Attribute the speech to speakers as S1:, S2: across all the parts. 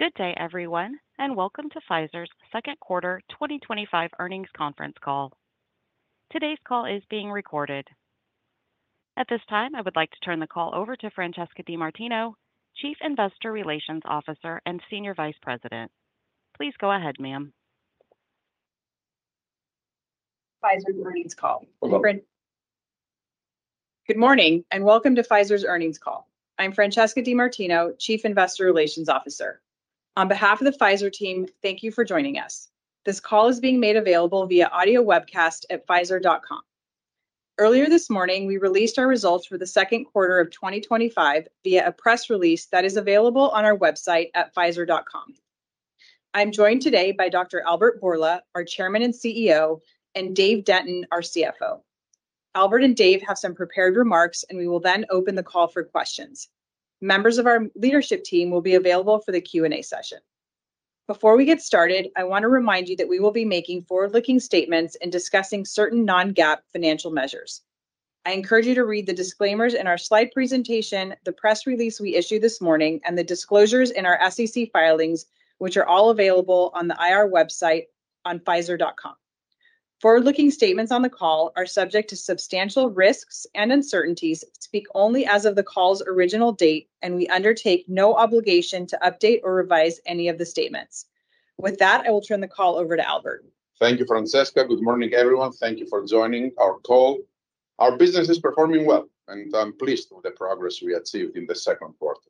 S1: Good day everyone and welcome to Pfizer's second quarter 2025 earnings conference call. Today's call is being recorded. At this time, I would like to turn the call over to Francesca DeMartino, Chief Investor Relations Officer and Senior Vice President. Please go ahead, ma'am. Am.
S2: Good morning and welcome to Pfizer's earnings call. I'm Francesca DeMartino, Chief Investor Relations Officer. On behalf of the Pfizer team, thank you for joining us. This call is being made available via audio webcast at pfizer.com. Earlier this morning, we released our results for the second quarter of 2025 via a press release that is available on our website at pfizer.com. I'm joined today by Dr. Albert Bourla, our Chairman and CEO, and Dave Denton, our CFO. Albert and Dave have some prepared remarks and we will then open the call for questions. Members of our leadership team will be available for the Q&A session. Before we get started, I want to remind you that we will be making forward-looking statements and discussing certain non-GAAP financial measures. I encourage you to read the disclaimers in our slide presentation, the press release we issued this morning, and the disclosures in our SEC filings, which are all available on the IR website on pfizer.com. Forward-looking statements on the call are subject to substantial risks and uncertainties, speak only as of the call's original date, and we undertake no obligation to update or revise any of the statements. With that, I will turn the call over to Albert.
S3: Thank you, Francesca. Good morning, everyone. Thank you for joining our call. Our business is performing well, and I'm pleased with the progress we achieved in the second quarter.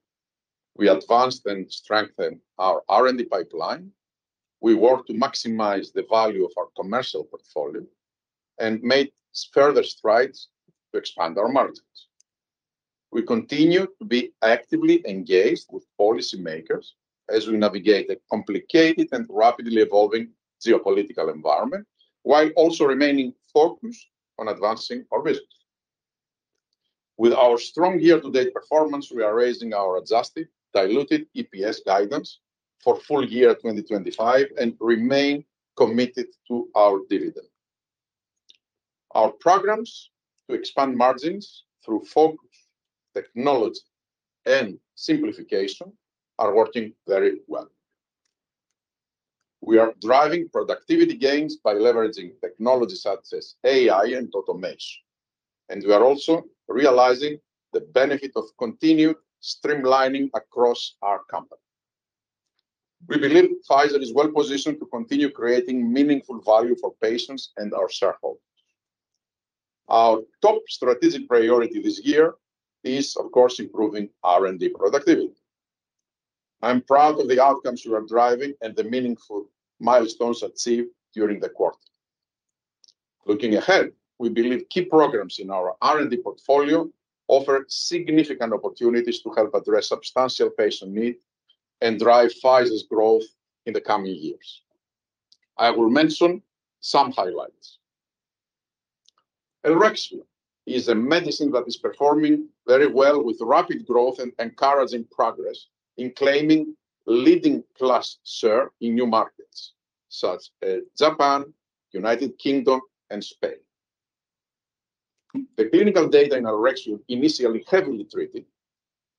S3: We advanced and strengthened our R&D pipeline. We work to maximize the value of our commercial portfolio and make further strides to expand our margins. We continue to be actively engaged with policymakers as we navigate a complicated and rapidly evolving geopolitical environment, while also remaining focused on advancing our business. With our strong year-to-date performance, we are raising our adjusted diluted EPS guidance for full year 2025 and remain committed to our dividend. Our programs to expand margins through focus, technology, and simplification are working very well. We are driving productivity gains by leveraging technologies such as AI and automation, and we are also realizing the benefit of continued streamlining across our company. We believe Pfizer is well positioned to continue creating meaningful value for patients and our shareholders. Our top strategic priority this year is, of course, improving R&D productivity. I'm proud of the outcomes you are driving and the meaningful milestones achieved during the quarter. Looking ahead, we believe key programs in our R&D portfolio offer significant opportunities to help address substantial patient needs and drive Pfizer's growth in the coming years. I will mention some highlights. Elrexfio is a medicine that is performing very well with rapid growth and encouraging progress in claiming leading plus serve in new markets such as Japan, United Kingdom, and Spain. The clinical data in our Elrexfio in heavily treated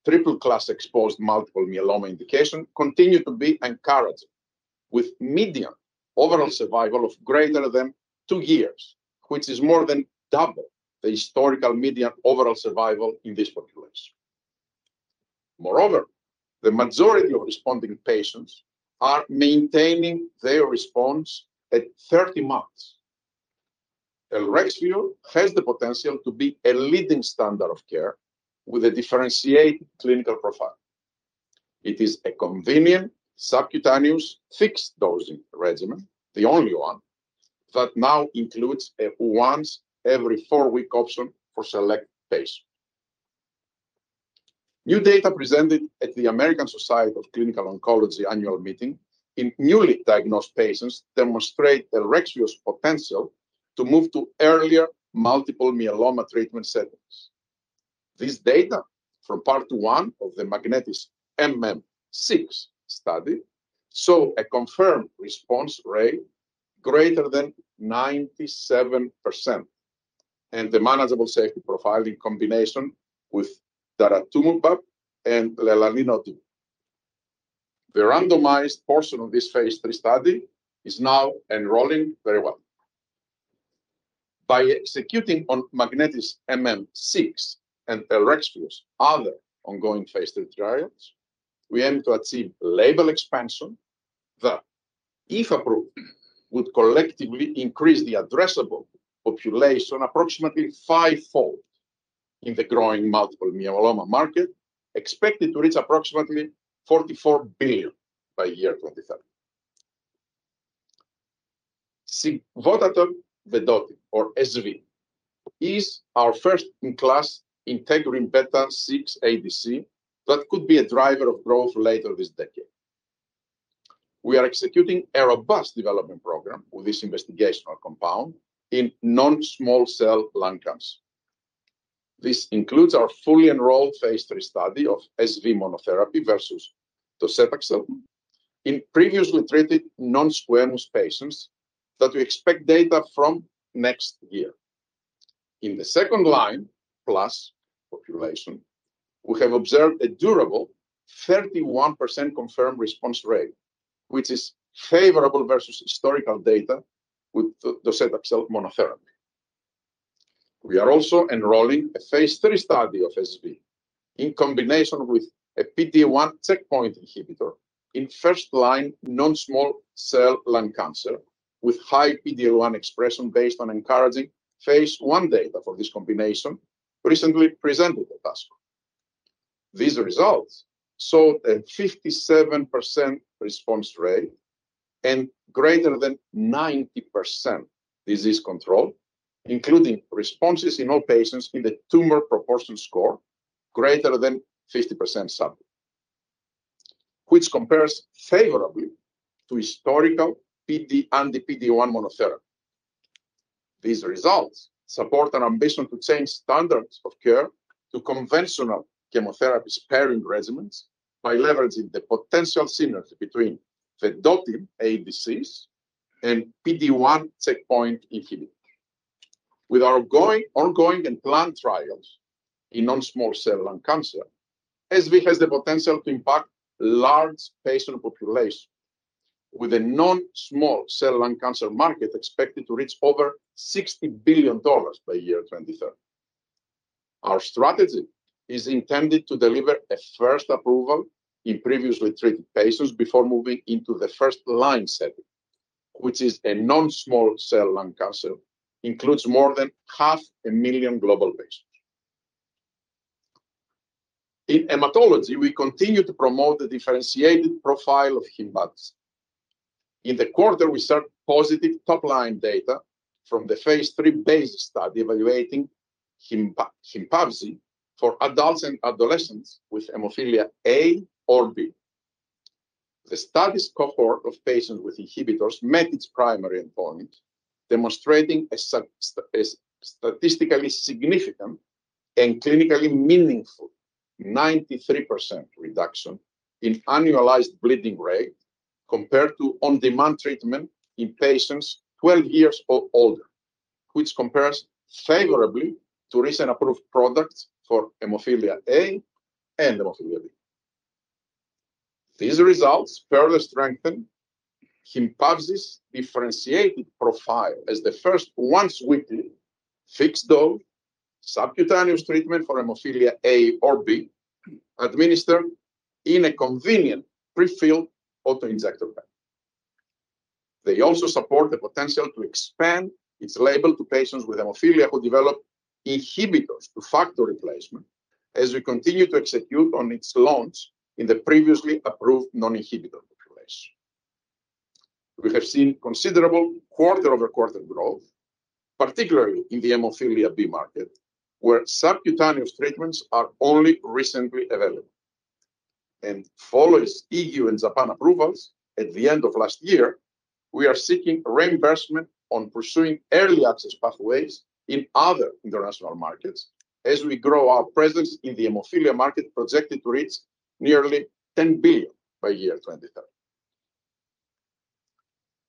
S3: triple class exposed multiple myeloma indication continue to be encouraging, with median overall survival of greater than two years, which is more than double the historical median overall survival in this particular. Moreover, the majority of responding patients are maintaining their response at 30 months. Elrexfio has the potential to be a leading standard of care with a differentiated clinical profile. It is a convenient subcutaneous fixed dosing regimen, the only one that now includes a once every four week option for select patients. New data presented at the American Society of Clinical Oncology Annual Meeting in newly diagnosed patients demonstrate Elrexfio's potential to move to earlier multiple myeloma treatment settings. This data from part one of the MagnetisMM-6 study saw a confirmed response rate greater than 97% and a manageable safety profile in combination with daratumumab and lenalidomide. The randomized portion of this phase III study is now enrolling very well. By executing on MagnetisMM-6 and Elrexfio's other ongoing phase III trials, we aim to achieve label expansion that, if approved, would collectively increase the addressable population approximately fivefold in the growing multiple myeloma market, expected to reach approximately $44 billion by year 2030. Sigvotatug vedotin, or SV, is our first-in-class integrin-beta 6 ADC that could be a driver of growth later this decade. We are executing a robust development program with this investigational compound in non-small cell lung cancer. This includes our fully enrolled phase III study of SV monotherapy versus docetaxel in previously treated non-squamous patients that we expect data from next year. In the second line plus population, we have observed a durable 31% confirmed response rate, which is favorable versus historical data with docetaxel monotherapy. We are also enrolling a phase III study of SV in combination with a PD-1 checkpoint inhibitor in first-line non-small cell lung cancer with high PD-L1 expression, based on encouraging phase I data for this combination recently presented at ASCO. These results showed a 57% response rate and greater than 90% disease control, including responses in all patients in the tumor proportion score greater than 50% sample, which compares favorably to historical PD-1 monotherapy. These results support an ambition to change standards of care to conventional chemotherapy-sparing regimens by leveraging the potential synergy between vedotin ADCs and PD-1 checkpoint inhibition. With our ongoing and planned trials in non-small cell lung cancer, SV has the potential to impact a large patient population, with the non-small cell lung cancer market expected to reach over $60 billion by year 2030. Our strategy is intended to deliver a first approval in previously treated patients before moving into the first-line setting, which in non-small cell lung cancer includes more than half a million global patients. In hematology, we continue to promote the differentiated profile of Hympavzi. In the quarter, we saw positive top-line data from the phase III BASIS study evaluating Hympavzi for adults and adolescents with hemophilia A or B. The studies cohort of patients with inhibitors met its primary endpoint, demonstrating a statistically significant and clinically meaningful 93% reduction in annualized bleeding rate compared to on-demand treatment in patients 12 years or older, which compares favorably to recent approved products for hemophilia A and hemophilia B. These results further strengthen Hympavzi's differentiated profile as the first once-weekly fixed-dose subcutaneous treatment for hemophilia A or B, administered in a convenient pre-filled autoinjector. They also support the potential to expand its label to patients with hemophilia who develop inhibitors to factor replacement. As we continue to execute on its launch in the previously approved non-inhibitor population, we have seen considerable quarter-over-quarter growth, particularly in the hemophilia B market where subcutaneous treatments are only recently available. Following E.U. and Japan approvals at the end of last year, we are seeking reimbursement and pursuing early access pathways in other international markets as we grow our presence in the hemophilia market projected to reach nearly $10 billion by year 2030.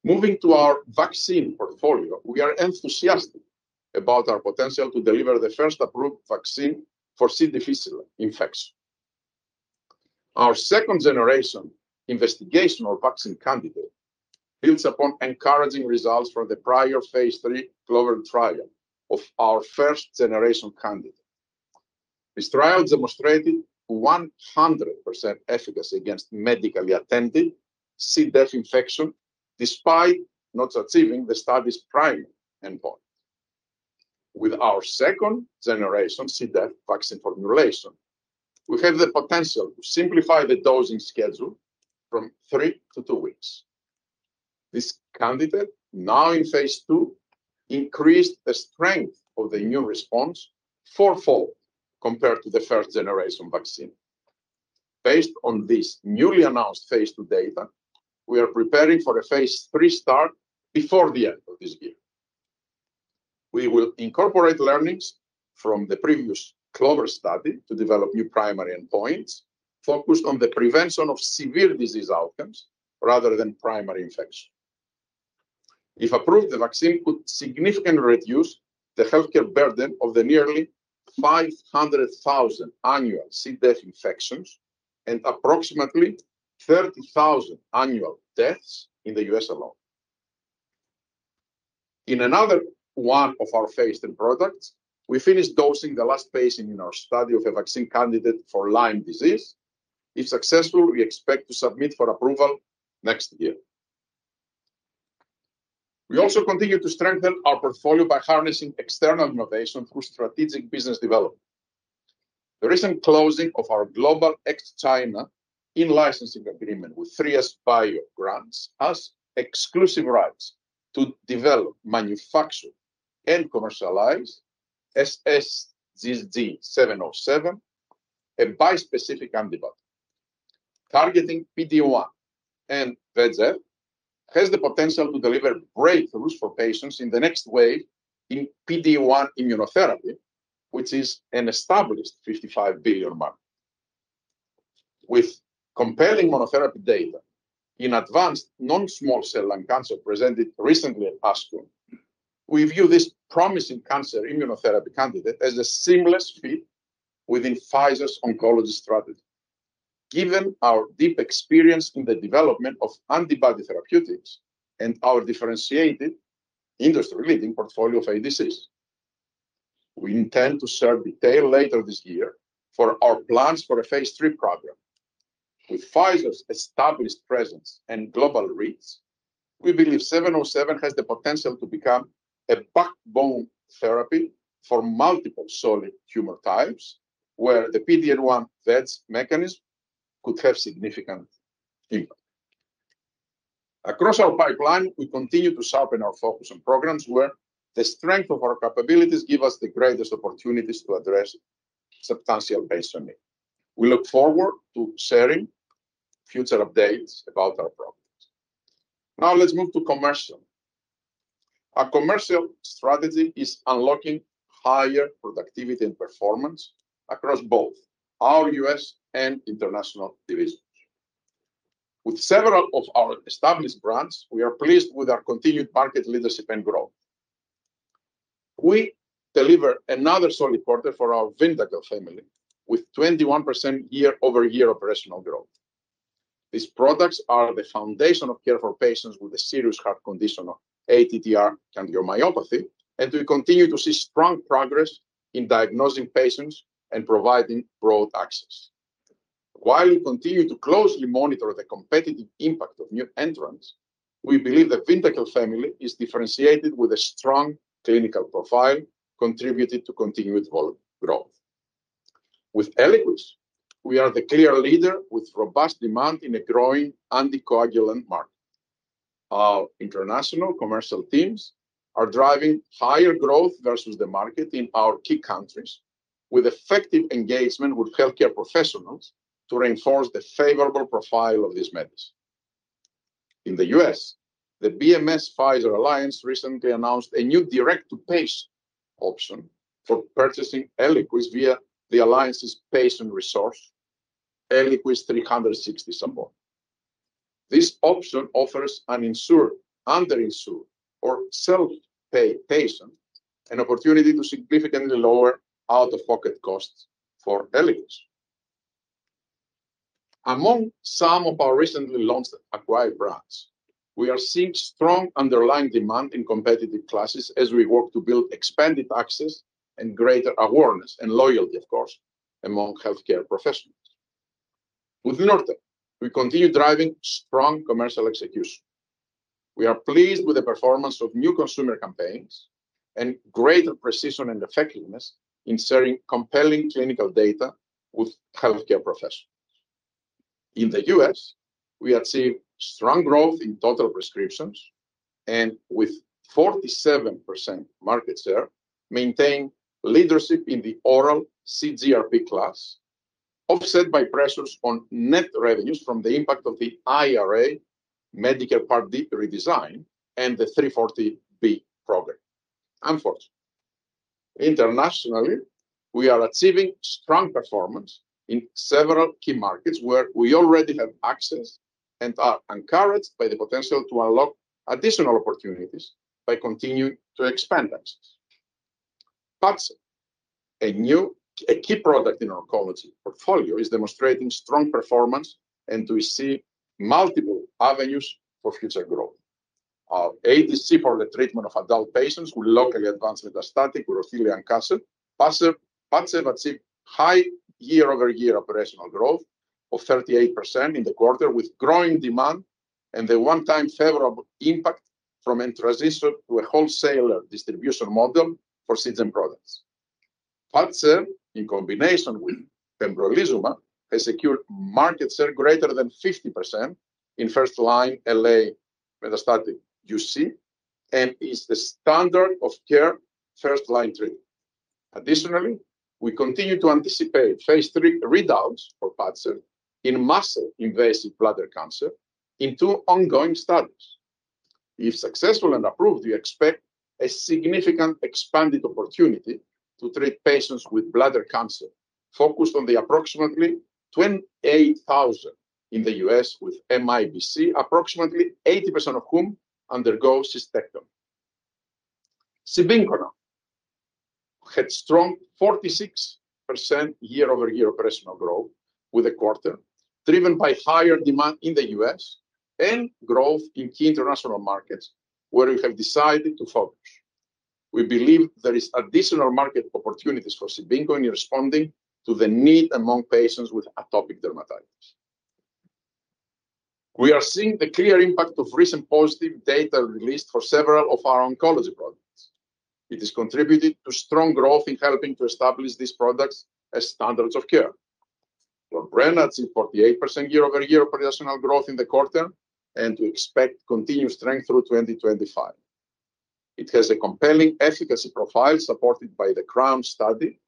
S3: Moving to our vaccine portfolio, we are enthusiastic about our potential to deliver the first approved vaccine for C. difficile infection. Our second-generation investigational vaccine candidate builds upon encouraging results from the prior phase III global trial of our first-generation candidate. This trial demonstrated 100% efficacy against medically attended C. difficile infection despite not achieving the study's primary endpoint. With our second-generation C. difficile vaccine formulation, we have the potential to simplify the dosing schedule from three to two weeks. This candidate, now in phase II, increased the strength of the immune response fourfold compared to the first-generation vaccine. Based on this newly announced phase II data, we are preparing for a phase III start before the end of this year. We will incorporate learnings from the previous CLOVER study to develop new primary endpoints focused on the prevention of severe disease outcomes rather than primary infection. If approved, the vaccine could significantly reduce the healthcare burden of the nearly 500,000 annual C. difficile infections and approximately 30,000 annual deaths in the U.S. alone. In another one of our phase III products, we finished dosing the last patient in our study of a vaccine candidate for Lyme disease. If successful, we expect to submit for approval next year. We also continue to strengthen our portfolio by harnessing external innovation through strategic business development. The recent closing of our global ex-China in-licensing agreement with 3SBio grants us exclusive rights to develop, manufacture, and commercialize SSGJ-707, a bispecific antibody targeting PD-1 and VEGF. This has the potential to deliver breakthroughs for patients in the next wave in PD-1 immunotherapy, which is an established $55 billion market, with compelling monotherapy data in advanced non-small cell lung cancer presented recently at ASCO. We view this promising cancer immunotherapy candidate as a seamless fit within Pfizer's oncology strategy. Given our deep experience in the development of antibody therapeutics and our differentiated, industry-leading portfolio of ADCs, we intend to share detail later this year for our plans for a phase III project. With Pfizer's established presence and global reach, we believe '707 has the potential to become a backbone therapy for multiple solid tumor types where the PD-L1/VEGF mechanism could have significant impact. Across our pipeline, we continue to sharpen our focus on programs where the strength of our capabilities gives us the greatest opportunities to address substantial patient need. We look forward to sharing future updates about our program. Now let's move to commercial. Our commercial strategy is unlocking higher productivity and performance across both our U.S. and international divisions. With several of our established brands, we are pleased with our continued market leadership and growth. We delivered another solid quarter for our Vyndaqel family with 21% year-over-year operational growth. These products are the foundation of care for patients with a serious heart condition of ATTR-cardiomyopathy, and we continue to see strong progress in diagnosing patients and providing broad access. While we continue to closely monitor the competitive impact of new entrants, we believe the Vyndaqel family is differentiated with a strong clinical profile contributing to continued growth. With Eliquis, we are the clear leader with robust demand in a growing anticoagulant market. Our international commercial teams are driving higher growth versus the market in our key countries with effective engagement with healthcare professionals to reinforce the favorable profile of these medicines. In the U.S. the BMS-Pfizer Alliance recently announced a new direct-to-pay option for purchasing Eliquis via the Alliance's patient resource Eliquis 360 Support. This option offers an insured, underinsured, or self-paid patient an opportunity to significantly lower out-of-pocket costs for Eliquis among some of our recently launched acquired brands. We are seeing strong underlying demand in competitive classes as we work to build expanded access and greater awareness and loyalty, of course among healthcare professionals. With Nurtec we continue driving strong commercial execution. We are pleased with the performance of new consumer campaigns and greater precision and effectiveness in sharing compelling clinical data with healthcare professionals. In the U.S. we achieve strong growth in total prescriptions and with 47% market share maintain leadership in the oral CGRP class, offset by pressures on net revenues from the impact of the IRA Medicare Part D redesign and the 340B program. Unfortunately, internationally we are achieving strong performance in several key markets where we already have access and are encouraged by the potential to unlock additional opportunities by continuing to expand access. Padcev, a key product in our quality portfolio, is demonstrating strong performance and we see multiple avenues for future growth. The ADC for the treatment of adult patients with locally advanced metastatic urothelial cancer, Padcev, achieved high year-over-year operational growth of 38% in the quarter. With growing demand and the one-time favorable impact from a transition to a wholesaler distribution model for Seagen products, Padcev in combination with pembrolizumab has secured market share greater than 50% in first-line LA metastatic UC and is the standard of care first-line treatment. Additionally, we continue to anticipate phase III readouts for Padcev in muscle invasive bladder cancer in two ongoing studies. If successful and approved, we expect a significant expanded opportunity to treat patients with bladder cancer, focused on the approximately 28,000 in the U.S. with MIBC, approximately 80% of whom undergo cystectomy. Cibinqo had strong 46% year-over-year operational growth for the quarter, driven by higher demand in the U.S. and growth in key international markets where we have decided to focus. We believe there are additional market opportunities for Cibinqo in responding to the need among patients with atopic dermatitis. We are seeing the clear impact of recent positive data released for several of our oncology products. It has contributed to strong growth in helping to establish these products as standards of care. Lorbrena had seen 48% year-over-year operational growth in the quarter and we expect continued strength through 2025. It has a compelling efficacy profile supported by the CROWN study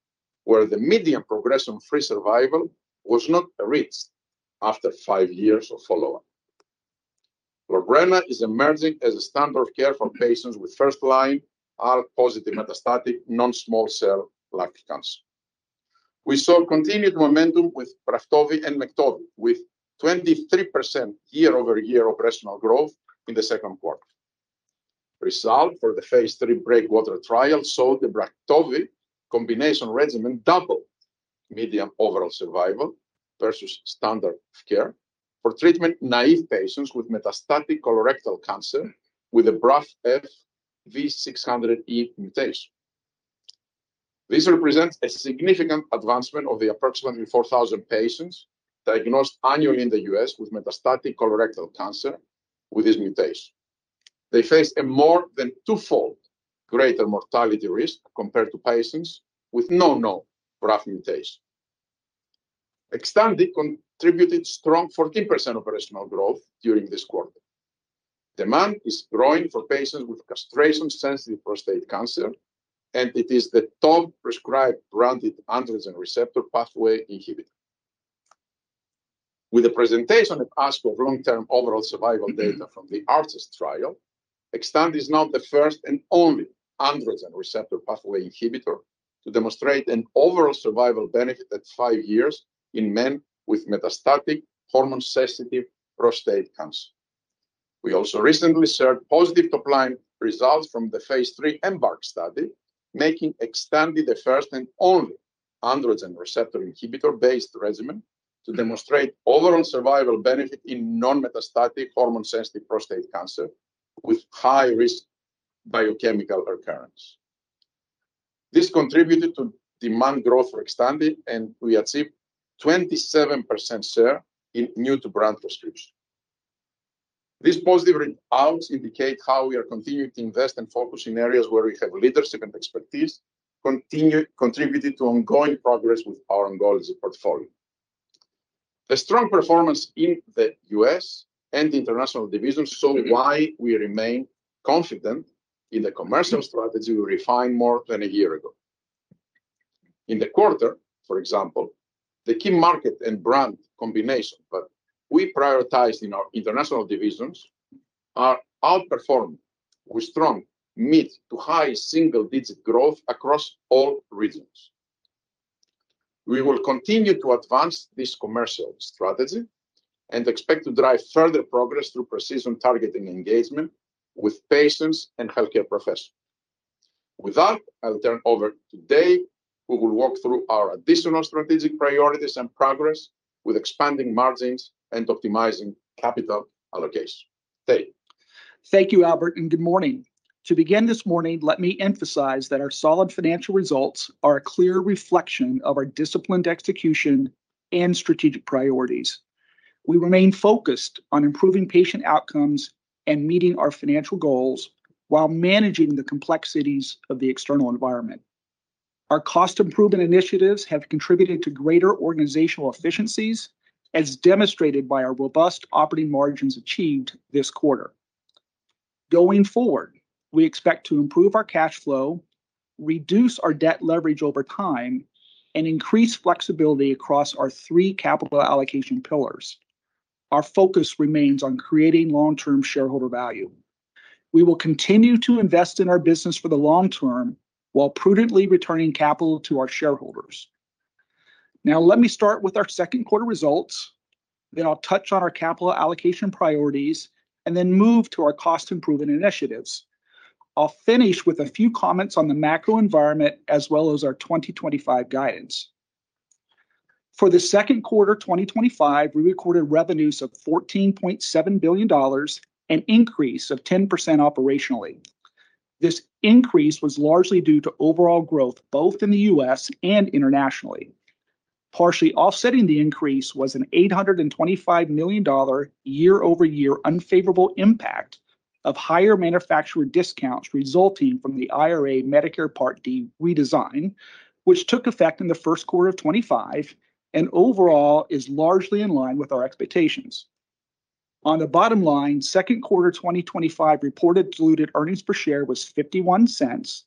S3: where the median progression free survival was not reached after 5 years of follow up. Lorbrena is emerging as a standard of care for patients with first line ALK+ metastatic non small cell lung cancer. We saw continued momentum with Braftovi and Mektovi with 23% year-over-year operational growth in the second quarter. Results for the phase III BREAKWATER trial saw the Braftovi combination regimen double median overall survival versus standard of care for treatment naive patients with metastatic colorectal cancer with a BRAF V600E mutation. This represents a significant advancement for the approximately 4,000 patients diagnosed annually in the U.S. with metastatic colorectal cancer with this mutation. They face a more than two fold greater mortality risk compared to patients with no known BRAF mutation. Xtandi contributed strong 14% operational growth during this quarter. Demand is growing for patients with castration sensitive prostate cancer and it is the top prescribed branded androgen receptor pathway inhibitor with the presentation of ASCO long term overall survival data from the ARCHES trial. Xtandi is now the first and only androgen receptor pathway inhibitor to demonstrate an overall survival benefit at 5 years in men with metastatic hormone sensitive prostate cancer. We also recently shared positive top line results from the phase III EMBARK study making Xtandi the first and only androgen receptor inhibitor based regimen to demonstrate overall survival benefit in non metastatic hormone sensitive prostate cancer with high risk biochemical recurrence. This contributed to demand growth for Xtandi and we achieved 27% share in new to brand prescription. These positive results indicate how we are continuing to invest and focus in areas where we have leadership and expertise, contributing to ongoing progress with our ongoing portfolio. A strong performance in the U.S. and international division shows why we remain confident in the commercial strategy we refined more than a year ago in the quarter. For example, the key market and brand combination that we prioritized in our international divisions are outperformed with strong mid to high single-digit growth across all regions. We will continue to advance this commercial strategy and expect to drive further progress through precision targeting engagement with patients and healthcare professionals. With that, I'll turn over to Dave, who will walk through our additional strategic priorities and progress with expanding margins and optimizing capital allocation. Dave,
S4: thank you, Albert, and good morning. To begin this morning, let me emphasize that our solid financial results are a clear reflection of our disciplined execution and strategic priorities. We remain focused on improving patient outcomes and meeting our financial goals while managing the complexities of the external environment. Our cost improvement initiatives have contributed to greater organizational efficiencies, as demonstrated by our robust operating margins achieved this quarter. Going forward, we expect to improve our cash flow, reduce our debt leverage over time, and increase flexibility across our three capital allocation pillars. Our focus remains on creating long-term shareholder value. We will continue to invest in our business for the long term while prudently returning capital to our shareholders. Now let me start with our second quarter results. Then I'll touch on our capital allocation priorities and then move to our cost improvement initiatives. I'll finish with a few comments on the macro environment as well as our 2025 guidance. For the second quarter 2025, we recorded revenues of $14.7 billion, an increase of 10%. Operationally, this increase was largely due to overall growth both in the U.S. and internationally. Partially offsetting the increase was an $825 million year-over-year unfavorable impact of higher manufacturer discounts resulting from the IRA Medicare Part D redesign, which took effect in first quarter of 2025 and overall is largely in line with our expectations on the bottom line. Second quarter 2025 reported diluted earnings per share was $0.51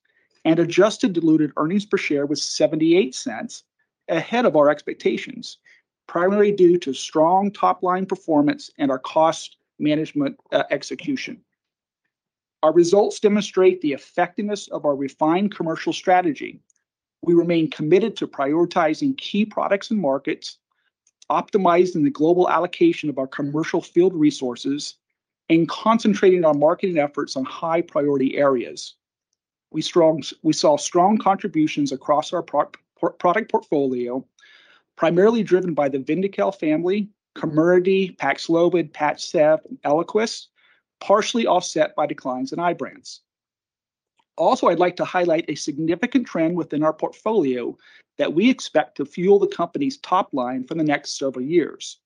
S4: and adjusted diluted earnings per share was $0.78, ahead of our expectations, primarily due to strong top-line performance and our cost management execution. Our results demonstrate the effectiveness of our refined commercial strategy. We remain committed to prioritizing key products and markets, optimizing the global allocation of our commercial field resources, and concentrating our marketing efforts on high-priority areas. We saw strong contributions across our product portfolio, primarily driven by the Vyndaqel family, Comirnaty, Paxlovid, Padcev and Eliquis, partially offset by declines in Ibrance. Also, I'd like to highlight a significant trend within our portfolio that we expect to fuel the company's top line for the next several years.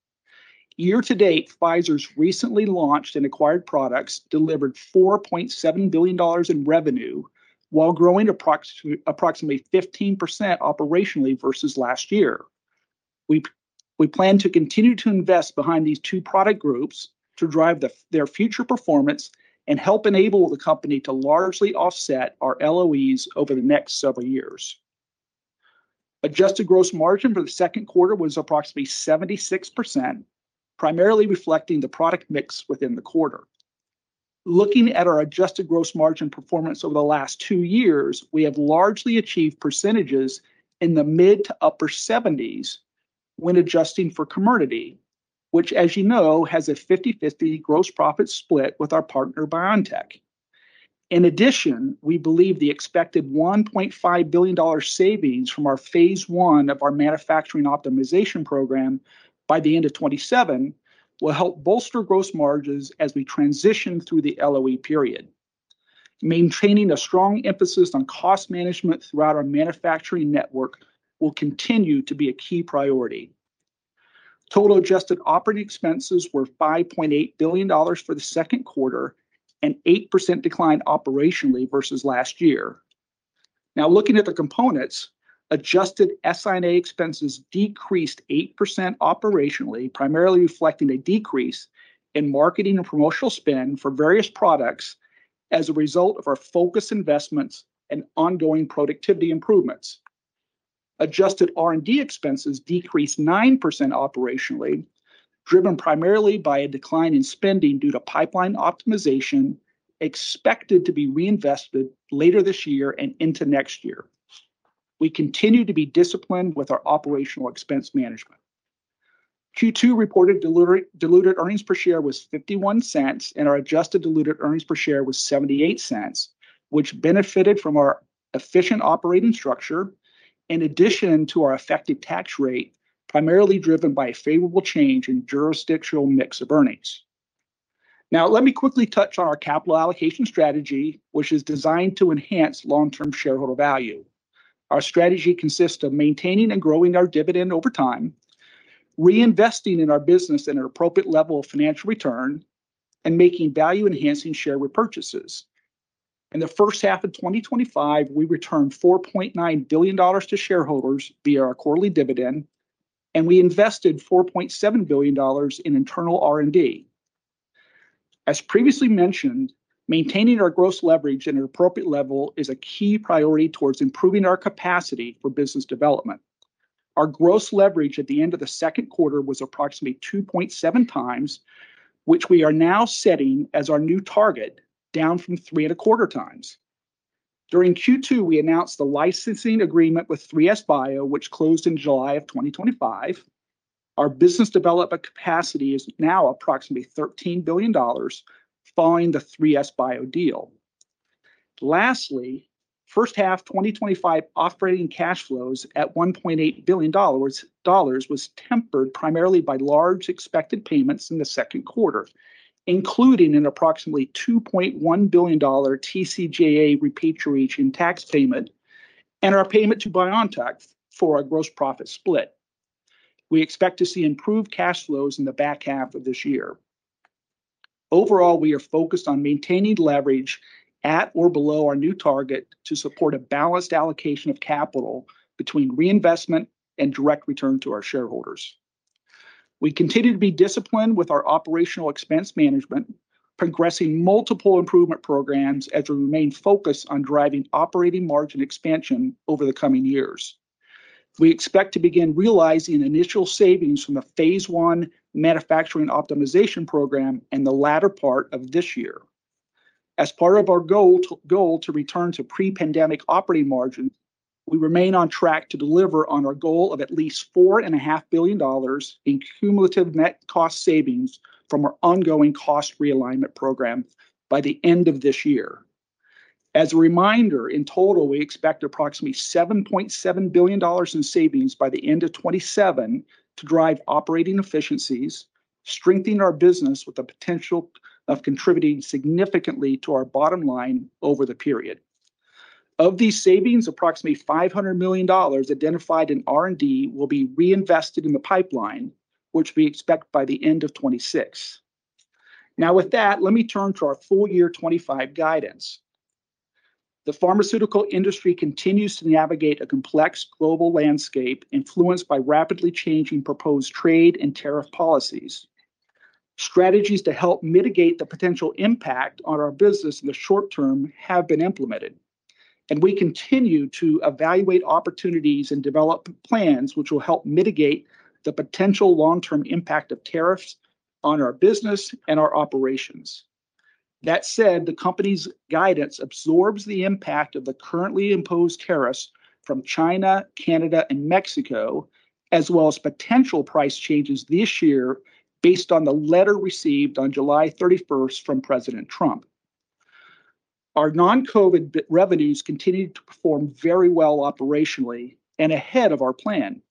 S4: Year to date, Pfizer's recently launched and acquired products delivered $4.7 billion in revenue while growing approximately 15% operationally versus last year. We plan to continue to invest behind these two product groups to drive their future performance and help enable the company to largely offset our LOEs over the next several years. Adjusted gross margin for the second quarter was approximately 76%, primarily reflecting the product mix within the quarter. Looking at our adjusted gross margin performance over the last two years, we have largely achieved percentages in the mid to upper 70s when adjusting for Comirnaty, which as you know has a 50/50 gross profit split with our partner BioNTech. In addition, we believe the expected $1.5 billion savings from phase I of our Manufacturing Optimization Program by the end of 2027 will help bolster gross margins as we transition through the LOE period. Maintaining a strong emphasis on cost management throughout our manufacturing network will continue to be a key priority. Total adjusted operating expenses were $5.8 billion for the second quarter, an 8% decline operationally versus last year. Now looking at the components, adjusted SI&A expenses decreased 8% operationally, primarily reflecting a decrease in marketing and promotional spend for various products as a result of our focused investments and ongoing productivity improvements. Adjusted R&D expenses decreased 9% operationally, driven primarily by a decline in spending due to pipeline optimization expected to be reinvested later this year and into next year. We continue to be disciplined with our operational expense management. Q2 reported diluted earnings per share was $0.51 and our adjusted diluted earnings per share was $0.78, which benefited from our efficient operating structure in addition to our effective tax rate, primarily driven by a favorable change in jurisdictional mix of earnings. Now let me quickly touch on our capital allocation strategy, which is designed to enhance long-term shareholder value. Our strategy consists of maintaining and growing our dividend over time, reinvesting in our business at an appropriate level of financial return, and making value-enhancing share repurchases. In the first half of 2024, we returned $4.9 billion to shareholders via our quarterly dividend and we invested $4.7 billion in internal R&D. As previously mentioned, maintaining our gross leverage at an appropriate level is a key priority towards improving our capacity for business development. Our gross leverage at the end of the second quarter was approximately 2.7x, which we are now setting as our new target, down from 3.25x. During Q2 we announced the licensing agreement with 3SBio which closed in July of 2025. Our business development capacity is now approximately $13 billion following the 3SBio deal. Lastly, first half 2025 operating cash flows at $1.8 billion was tempered primarily by large expected payments in the second quarter, including an approximately $2.1 billion TCJA repatriation tax payment and our payment to BioNTech for a gross profit split. We expect to see improved cash flows in the back half of this year. Overall, we are focused on maintaining leverage at or below our new target to support a balanced allocation of capital between reinvestment and direct return to our shareholders. We continue to be disciplined with our operational expense management, progressing multiple improvement programs as we remain focused on driving operating margin expansion over the coming years. We expect to begin realizing initial savings from the phase I Manufacturing Optimization Program in the latter part of this year as part of our goal to return to pre-pandemic operating margin. We remain on track to deliver on our goal of at least $4.5 billion in cumulative net cost savings from our ongoing cost realignment program by the end of this year. As a reminder, in total we expect approximately $7.7 billion in savings by the end of 2027 to drive operating efficiencies, strengthen our business with the potential of contributing significantly to our bottom line over the period of these savings. Approximately $500 million identified in R&D will be reinvested in the pipeline, which we expect by the end of 2026. Now with that, let me turn to our full year 2025 guidance. The pharmaceutical industry continues to navigate a complex global landscape influenced by rapidly changing proposed trade and tariff policies. Strategies to help mitigate the potential impact on our business in the short term have been implemented, and we continue to evaluate opportunities and develop plans which will help mitigate the potential long-term impact of tariffs on our business and our operations. That said, the Company's guidance absorbs the impact of the currently imposed tariffs from China, Canada, and Mexico as well as potential price changes this year. Based on the letter received on July 31st from President Trump, our non-COVID revenues continue to perform very well operationally and ahead of our plan.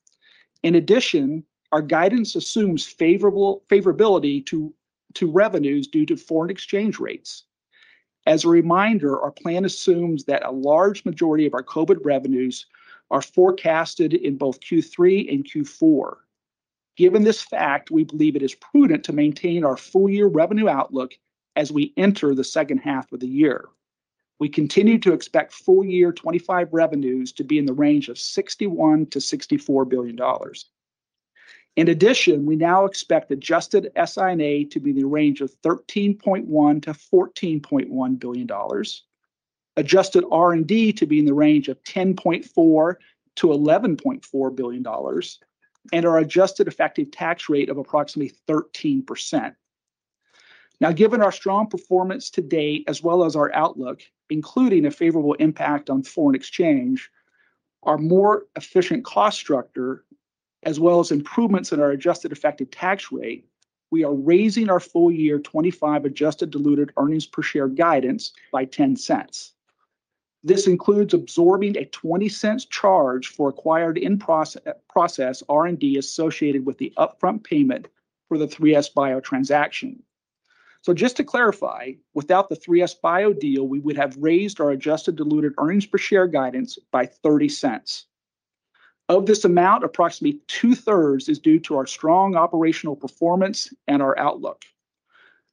S4: In addition, our guidance assumes favorability to revenues due to foreign exchange rates. As a reminder, our plan assumes that a large majority of our COVID revenues are forecasted in both Q3 and Q4. Given this fact, we believe it is prudent to maintain our full year revenue outlook as we enter the second half of the year. We continue to expect full year 2025 revenues to be in the range of $61 billion-$64 billion. In addition, we now expect adjusted SINA to be in the range of $13.1 billion-$14.1 billion, adjusted R&D to be in the range of $10.4 billion-$11.4 billion, and our adjusted effective tax rate of approximately 13%. Now, given our strong performance to date as well as our outlook including a favorable impact on foreign exchange, our more efficient cost structure, as well as improvements in our adjusted effective tax rate, we are raising our full year 2025 adjusted diluted EPS guidance by $0.10. This includes absorbing a $0.20 charge for acquired in-process R&D associated with the upfront payment for the 3SBio transaction. Just to clarify, without the 3SBio deal, we would have raised our adjusted diluted EPS guidance by $0.30. Of this amount, approximately two-thirds is due to our strong operational performance and our outlook.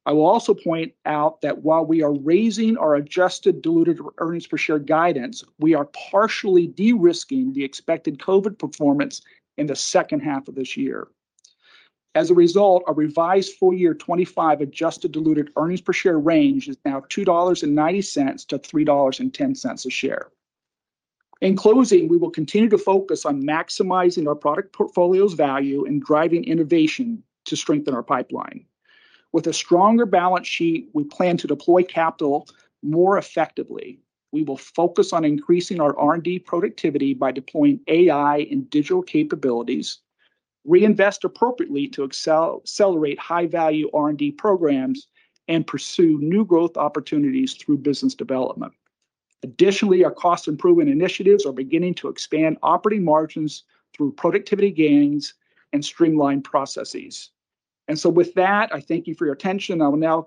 S4: I will also point out that while we are raising our adjusted diluted EPS guidance, we are partially de-risking the expected COVID performance in the second half of this year. As a result, our revised full year 2025 adjusted diluted EPS range is now $2.90-$3.10 a share. In closing, we will continue to focus on maximizing our product portfolio's value and driving innovation to strengthen our pipeline. With a stronger balance sheet, we plan to deploy capital more effectively. We will focus on increasing our R&D productivity by deploying AI and digital capabilities, reinvest appropriately to accelerate high-value R&D programs, and pursue new growth opportunities through business development. Additionally, our cost improvement initiatives are beginning to expand operating margins through productivity gains and streamlined processes. Thank you for your attention. I will now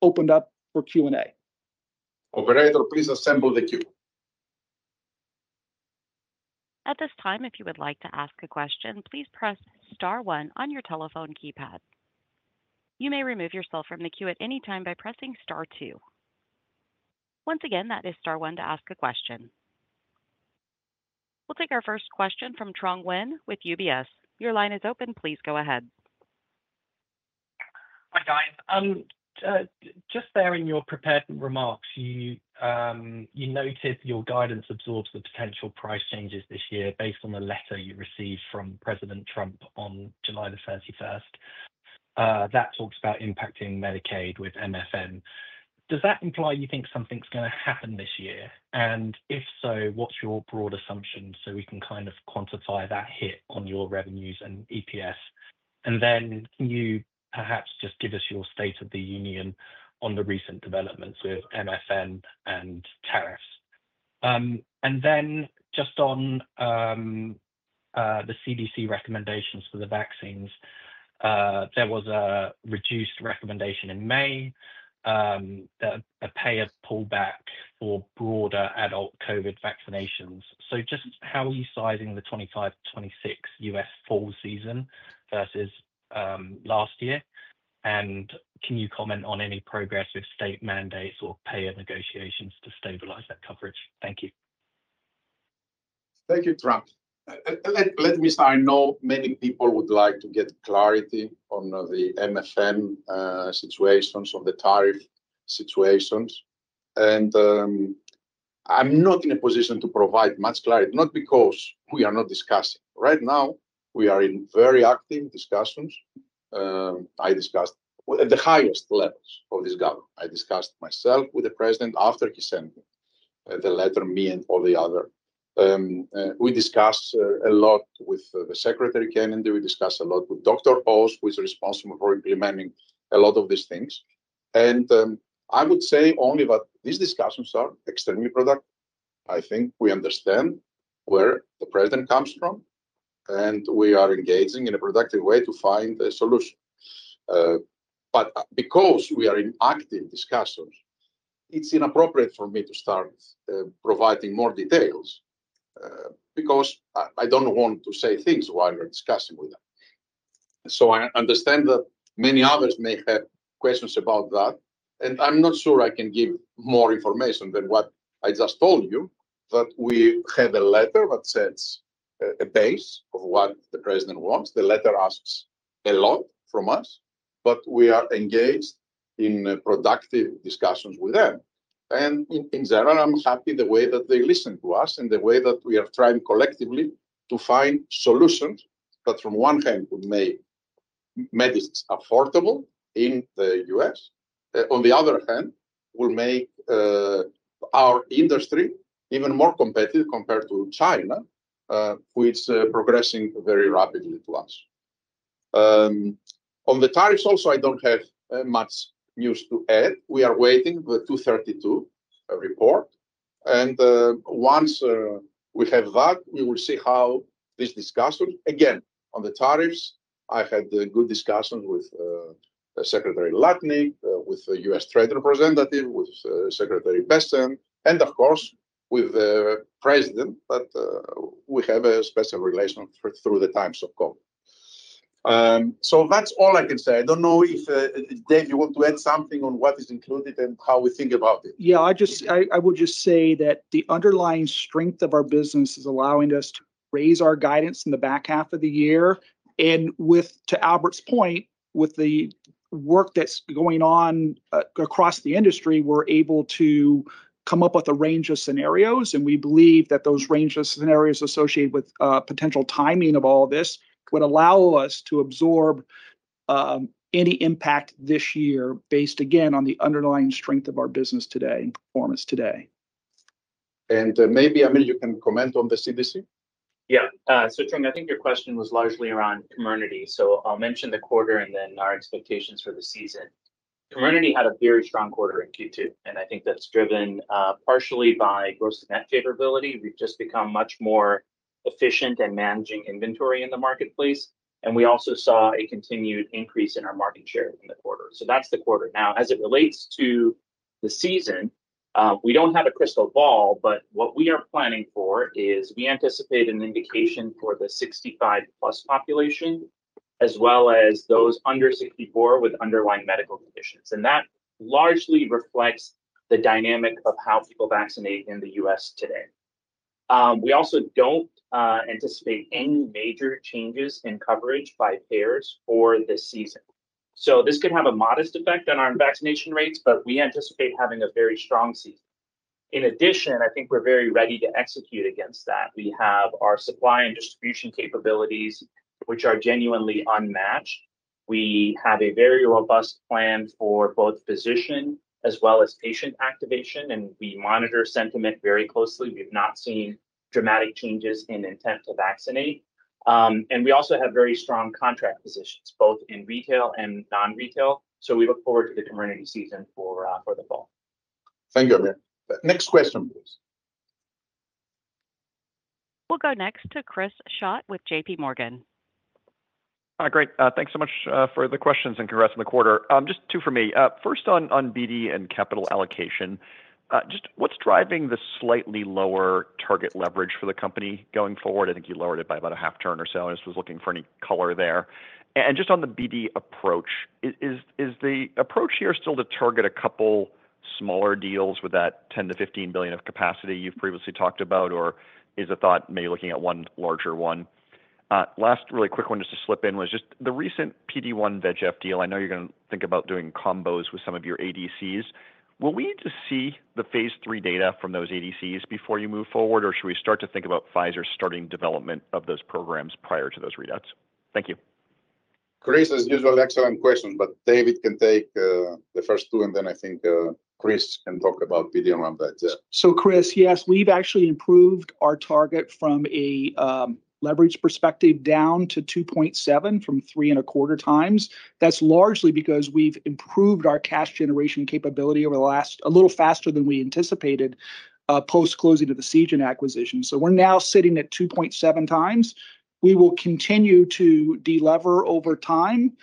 S4: open up for Q and A,
S3: Operator. Please assemble the queue.
S1: At this time, if you would like to ask a question, please press Star one on your telephone keypad. You may remove yourself from the queue at any time by pressing Star two. Once again, that is Star one to ask a question. We'll take our first question from Trung Huynh with UBS. Your line is open. Please go ahead. Hi guys, just there.
S5: In your prepared remarks, you noted your guidance absorbs the potential price changes this year. Based on the letter you received from President Trump on July 31st that talks about impacting Medicaid with MFN, does that imply you think something's going to happen this year? If so, what's your broad assumption? We can kind of quantify that hit on your revenues and EPS, and could you perhaps just give us your State of the Union on the recent developments with MFN and tariffs? Just on. The CDC recommendations for the vaccines. There was a reduced recommendation in May that a payer pulled back for broader adult COVID vaccinations. How are you sizing the 2025-2026 U.S. fall season versus last year? Can you comment on any progress with state mandates or payer negotiations to stabilize that coverage? Thank you,
S3: thank you. Let me say I know many people would like to get clarity on the MFN situations, on the tariff situations, and I'm not in a position to provide much clarity not because we are not discussing right now. We are in very active discussions. I discussed at the highest levels of this gala. I discussed myself with the President after he sent the letter. Me and all the others, we discuss a lot with Secretary Kennedy, we discuss a lot with Dr. Oz, who is responsible for implementing a lot of these things. I would say only that these discussions are extremely productive. I think we understand where the President comes from and we are engaging in a productive way to find a solution. Because we are in active discussions, it's inappropriate for me to start providing more details because I don't want to say things while you're discussing with them. I understand that many others may have questions about that. I'm not sure I can give more information than what I just told you, that we have a letter that sets a base of what the President wants. The letter asks a lot from us, but we are engaged in productive discussions with them. In general, I'm happy the way that they listen to us and the way that we are trying collectively to find solutions that from one hand we make medicines affordable in the U.S., on the other hand will make our industry even more competitive compared to China, which is progressing very rapidly. To us on the tariffs, also, I don't have much news to add. We are waiting the 232 report and once we have that, we will see how this discussion again on the tariffs. I had good discussion with Secretary Lutnick, with the U.S. Trade Representative, with Secretary Bessent and of course with the President. We have a special relation through the times of COVID, so that's all I can say. I don't know if Dave, you want to add something on what is included and how we think about it.
S4: I will just say that the underlying strength of our business is allowing us to raise our guidance in the back half of the year. With Albert's point, with the work that's going on across the industry, we're able to come up with a range of scenarios, and we believe that those range of scenarios associated with potential timing of all this would allow us to absorb any impact this year, based again on the underlying strength of our business today and performance today.
S3: Maybe Aamir, you can comment on the CBC.
S6: Yeah. I think your question was largely around commodity. I'll mention the quarter and then our expectations for the season. Commodity had a very strong quarter in Q2, and I think that's driven partially by gross net favorability. We've just become much more efficient in managing inventory in the marketplace, and we also saw a continued increase in our market share in the quarter. That's the quarter. Now, as it relates to the season, we don't have a crystal ball, but what we are planning for is we anticipate an indication for the 65+ population as well as those under 64 with underlying medical conditions, and that largely reflects the dynamic of how people vaccinate in the U.S. today. We also don't anticipate any major changes in coverage by payers for the season. This can have a modest effect on our vaccination rates, but we anticipate having a very strong season. In addition, I think we're very ready to execute against that. We have our supply and distribution capabilities, which are genuinely unmatched. We have a very robust plan for both physician as well as patient activation, and we monitor sentiment very closely. We've not seen dramatic changes in intent to vaccinate, and we also have very strong contract positions both in retail and non-retail. We look forward to the community season for the fall.
S3: Thank you, Aamir. Next question, please.
S1: We'll go next to Chris Schott with JPMorgan.
S7: Great. Thanks so much for the questions and congrats on the quarter. Just two for me. First on BD and capital allocation, what's driving the slightly lower target leverage for the company going forward? I think you lowered it by about a half turn or so. I was looking for any color there, and just on the BD approach, is the approach here still to target a couple smaller deals with that $10 billion-$15 billion of capacity you've previously talked about? Is the thought maybe looking at one larger one? Last really quick one to slip in was the recent PD-1/VEGF deal. I know you're going to think about doing combos with some of your ADCs. Will we need to see the phase III data from those ADCs before you move forward, or should we start to think about Pfizer starting development of those programs prior to those readouts? Thank you,
S3: Chris. As usual, excellent question, but Dave can take the first two and then I think Chris can talk about PDM updates.
S4: Yes, we've actually improved our target from a leverage perspective down to 2.7x from 3.25x. That's largely because we've improved our cash generation capability a little faster than we anticipated post closing of the Seagen acquisition. We're now sitting at 2.7x. We will continue to delever over time.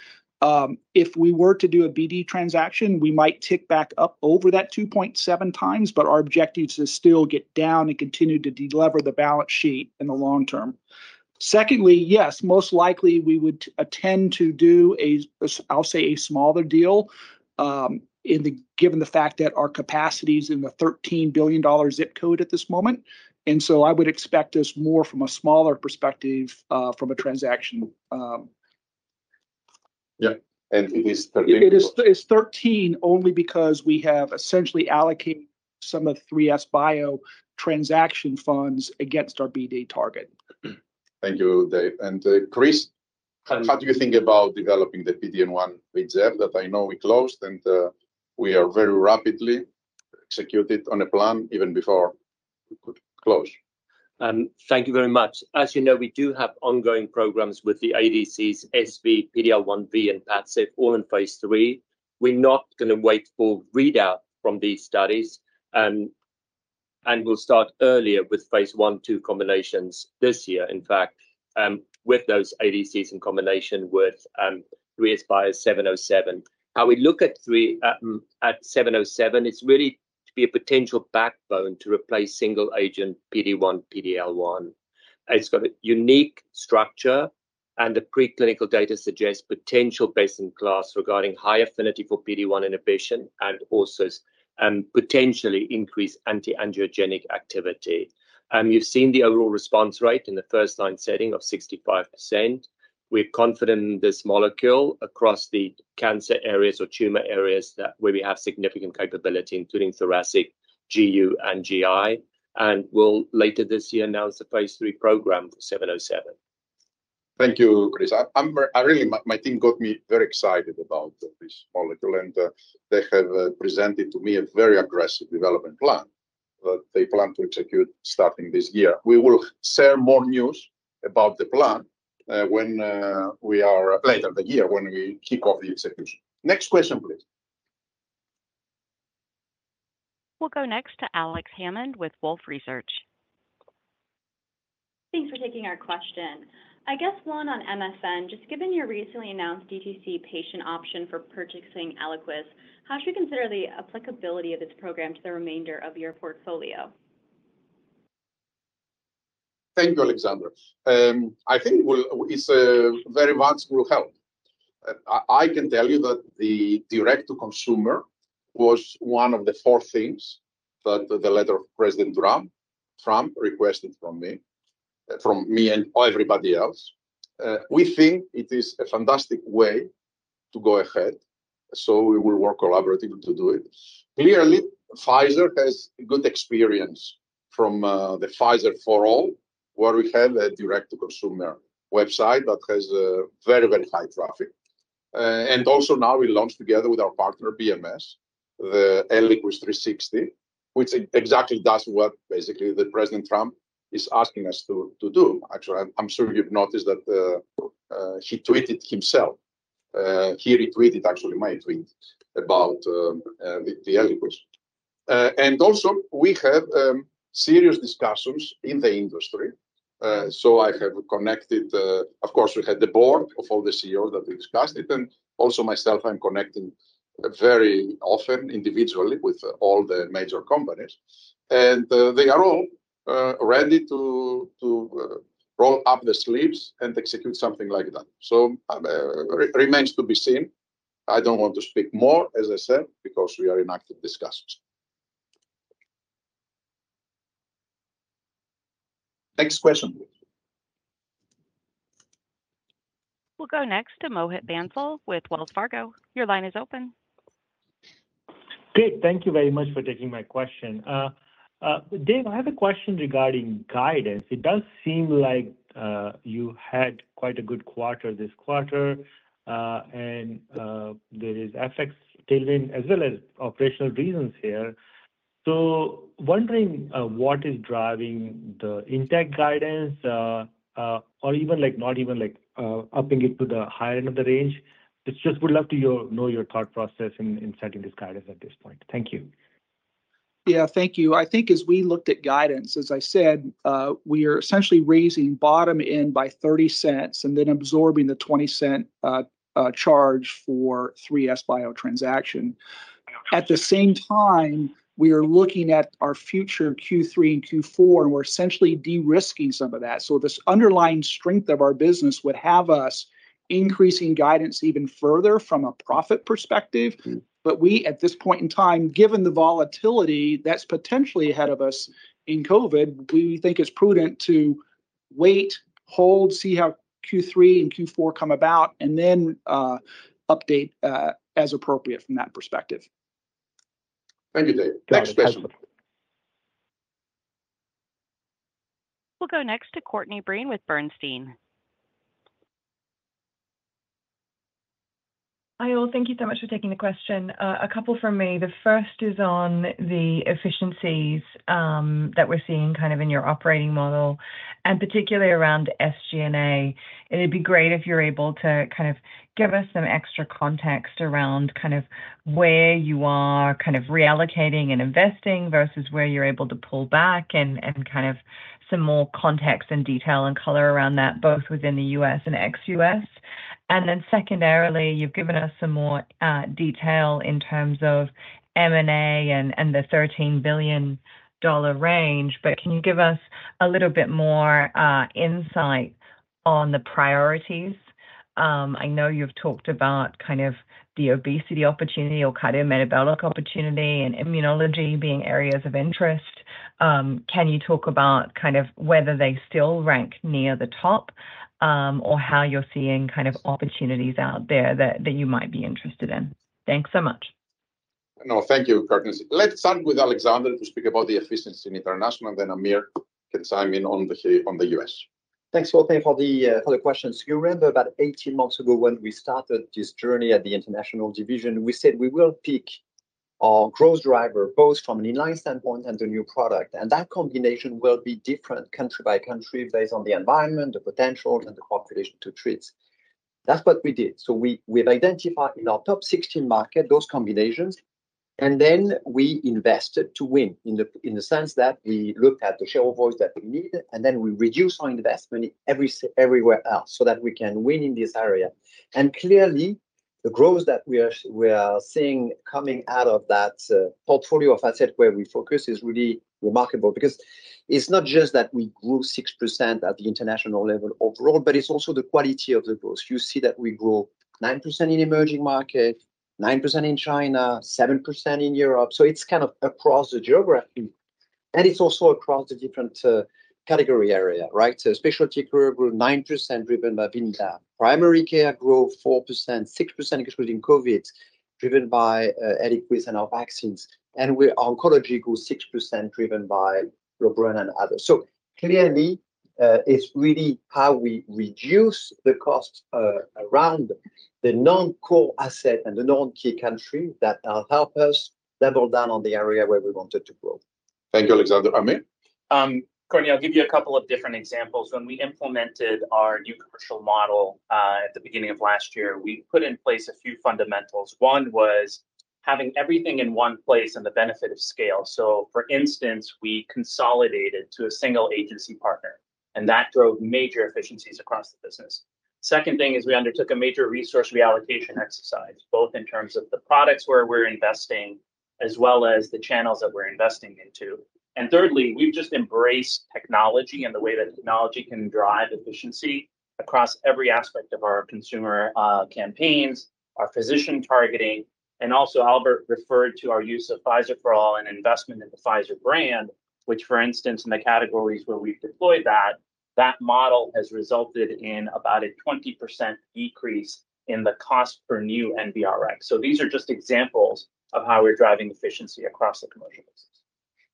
S4: If we were to do a BD transaction, we might tick back up over that 2.7x. Our objective is still to get down and continue to delever the balance sheet in the long term. Secondly, most likely we would intend to do, I'll say, a smaller deal given the fact that our capacity is in the $13 billion zip code at this moment. I would expect this more from a smaller perspective from a transaction.
S3: Yeah, it is 13.
S4: It is 13 only because we have essentially allocated some of 3SBio transaction funds against our BD target.
S3: Thank you, Dave. Chris, how do you think about developing the PD-1/VEGF that I know we closed, and we are very rapidly executing on a plan even before close.
S8: Thank you very much. As you know, we do have ongoing programs with the ADCs SV, PD-L1 V, and that is all in phase III. We're not going to wait for readout from these studies, and we'll start earlier with phase I/II combinations this year, in fact, with those ADCs in combination with 707. How we look at 707, it's really to be a potential backbone to replace single agent PD-1, PD-L1. It's got a unique structure, and the preclinical data suggests potential best in class regarding high affinity for PD-1 inhibition and also potentially increased anti-angiogenic activity. You've seen the overall response rate in the first line setting of 65%. We're confident in this molecule across the cancer areas or tumor areas where we have significant capability, including thoracic, GU, and GI. We'll later this year announce the phase III program for 707.
S3: Thank you, Chris. My team got me very excited about this molecule, and they have presented to me a very aggressive development plan that they plan to execute starting this year. We will start to share more news about the plan later in the year when we kick off the execution. Next question, please.
S1: We'll go next to Alex Hammond with Wolfe Research.
S9: Thanks for taking our question. I guess one on MSN. Just given your recently announced DTC patient option for purchasing Eliquis, how should we consider the applicability of this program to the remainder of your portfolio?
S3: Thank you, Alexandria. I think very much will help. I can tell you that the direct to consumer was one of the four things that the letter of President Trump requested from me and everybody else. We think it is a fantastic way to go ahead. We will work collaboratively to do it. Clearly, Pfizer has good experience from the Pfizer for All where we have a direct to consumer website that has very, very high traffic. Also, now we launched together with our partner BMS the Eliquis 360, which exactly does what basically President Trump is asking us to do. Actually, I'm sure you've noticed that he tweeted himself. He retweeted my tweet about the Eliquis and also we have serious discussions in the industry. I have connected, of course, we had the board of all the CEOs that we discussed it and also myself I'm connecting very often individually with all the major companies and they are all ready to roll up the sleeves and execute something like that. It remains to be seen. I don't want to speak more as I said, because we are in active discussions. Next question.
S1: will go next to Mohit Bansal with Wells Fargo. Your line is open.
S10: Great. Thank you very much for taking my question. Dave, I have a question regarding guidance. It does seem like you had quite a good quarter this quarter, and there is FX tailwind as well as operational reasons here. I am wondering what is driving the intact guidance or even not even upping it to the higher end of the range. I would just love to know your thought process in setting this guidance at this point. Thank you.
S4: Yeah, thank you. I think as we looked at guidance, as I said, we are essentially raising bottom end by $0.30 and then absorbing the $0.20 charge for 3SBio transaction. At the same time, we are looking at our future Q3 and Q4, and we're essentially de-risking some of that. This underlying strength of our business would have us increasing guidance even further from a profit perspective. At this point in time, given the volatility that's potentially ahead of us in COVID, we think it's prudent to wait, hold, see how Q3 and Q4 come about, and then update as appropriate from that perspective.
S3: Thank you, Dave. Thanks.
S1: We'll go next to Courtney Breen with Bernstein.
S11: Hi all. Thank you so much for taking the question. A couple from me. The first is on the efficiencies that we're seeing in your operating model and particularly around SG&A. It'd be great if you're able to give us some extra context around where you are reallocating and investing versus where you're able to pull back, and some more context and detail and color around that both within the U.S. and ex-U.S. Secondarily, you've given us some more detail in terms of M&A and the $13 billion range. Can you give us a little bit more insight on the priorities? I know you've talked about the obesity opportunity or cardiometabolic opportunity and immunology being areas of interest. Can you talk about whether they still rank near the top or how you're seeing opportunities out there that you might be interested in? Thanks so much.
S3: No, thank you, Courtney. Let's start with Alexandre to speak about the efficiency in international. Then Aamir can chime in on the.
S12: U.S. thanks Courtney for the questions. You remember about 18 months ago when we started this journey at the International division, we said we will pick our growth driver both from an inline standpoint and a new product. That combination will be different country by country based on the environment, the potential, and the population to treat. That's what we did. We've identified in our top 16 markets those combinations. We invested to win in the sense that we looked at the shareholders that we needed, and we reduced our investment everywhere else so that we can win in this area. Clearly, the growth that we are seeing coming out of that portfolio of assets where we focus is really remarkable because it's not just that we grew 6% at the International level overall, it's also the quality of the growth. You see that we grew 9% in emerging markets, 9% in China, 7% in Europe. It's kind of across the geography, and it's also across the different category area. Right. Specialty care grew 9% driven by [Vyndaqel]. Primary care grew 4%, 6% excluding COVID, driven by Eliquis and our vaccines, and oncology grew 6% driven by Lorbrena and others. It's really how we reduce the cost around the non-core asset and the non-key country that help us level down on the area where. We wanted to grow.
S3: Thank you, Alexandre, Aamir,
S6: Courtney. I'll give. You have a couple of different examples. When we implemented our universal model at the beginning of last year, we put in place a few fundamentals. One was having everything in one place and the benefit of scale. For instance, we consolidated to a single agency partner and that drove major efficiencies across the business. The second thing is we undertook a major resource reallocation exercise both in terms of the products where we're investing as well as the channels that we're investing into. Thirdly, you just embrace technology and the way that technology can drive efficiency across every aspect of our consumer campaigns, our physician targeting, and also Albert referred to our use of Pfizer Pro and investment in the Pfizer brand, which for instance in the categories where we've deployed that model has resulted in about a 20% decrease in the cost per new NBRx. These are just examples of how we're driving efficiency across the commercial.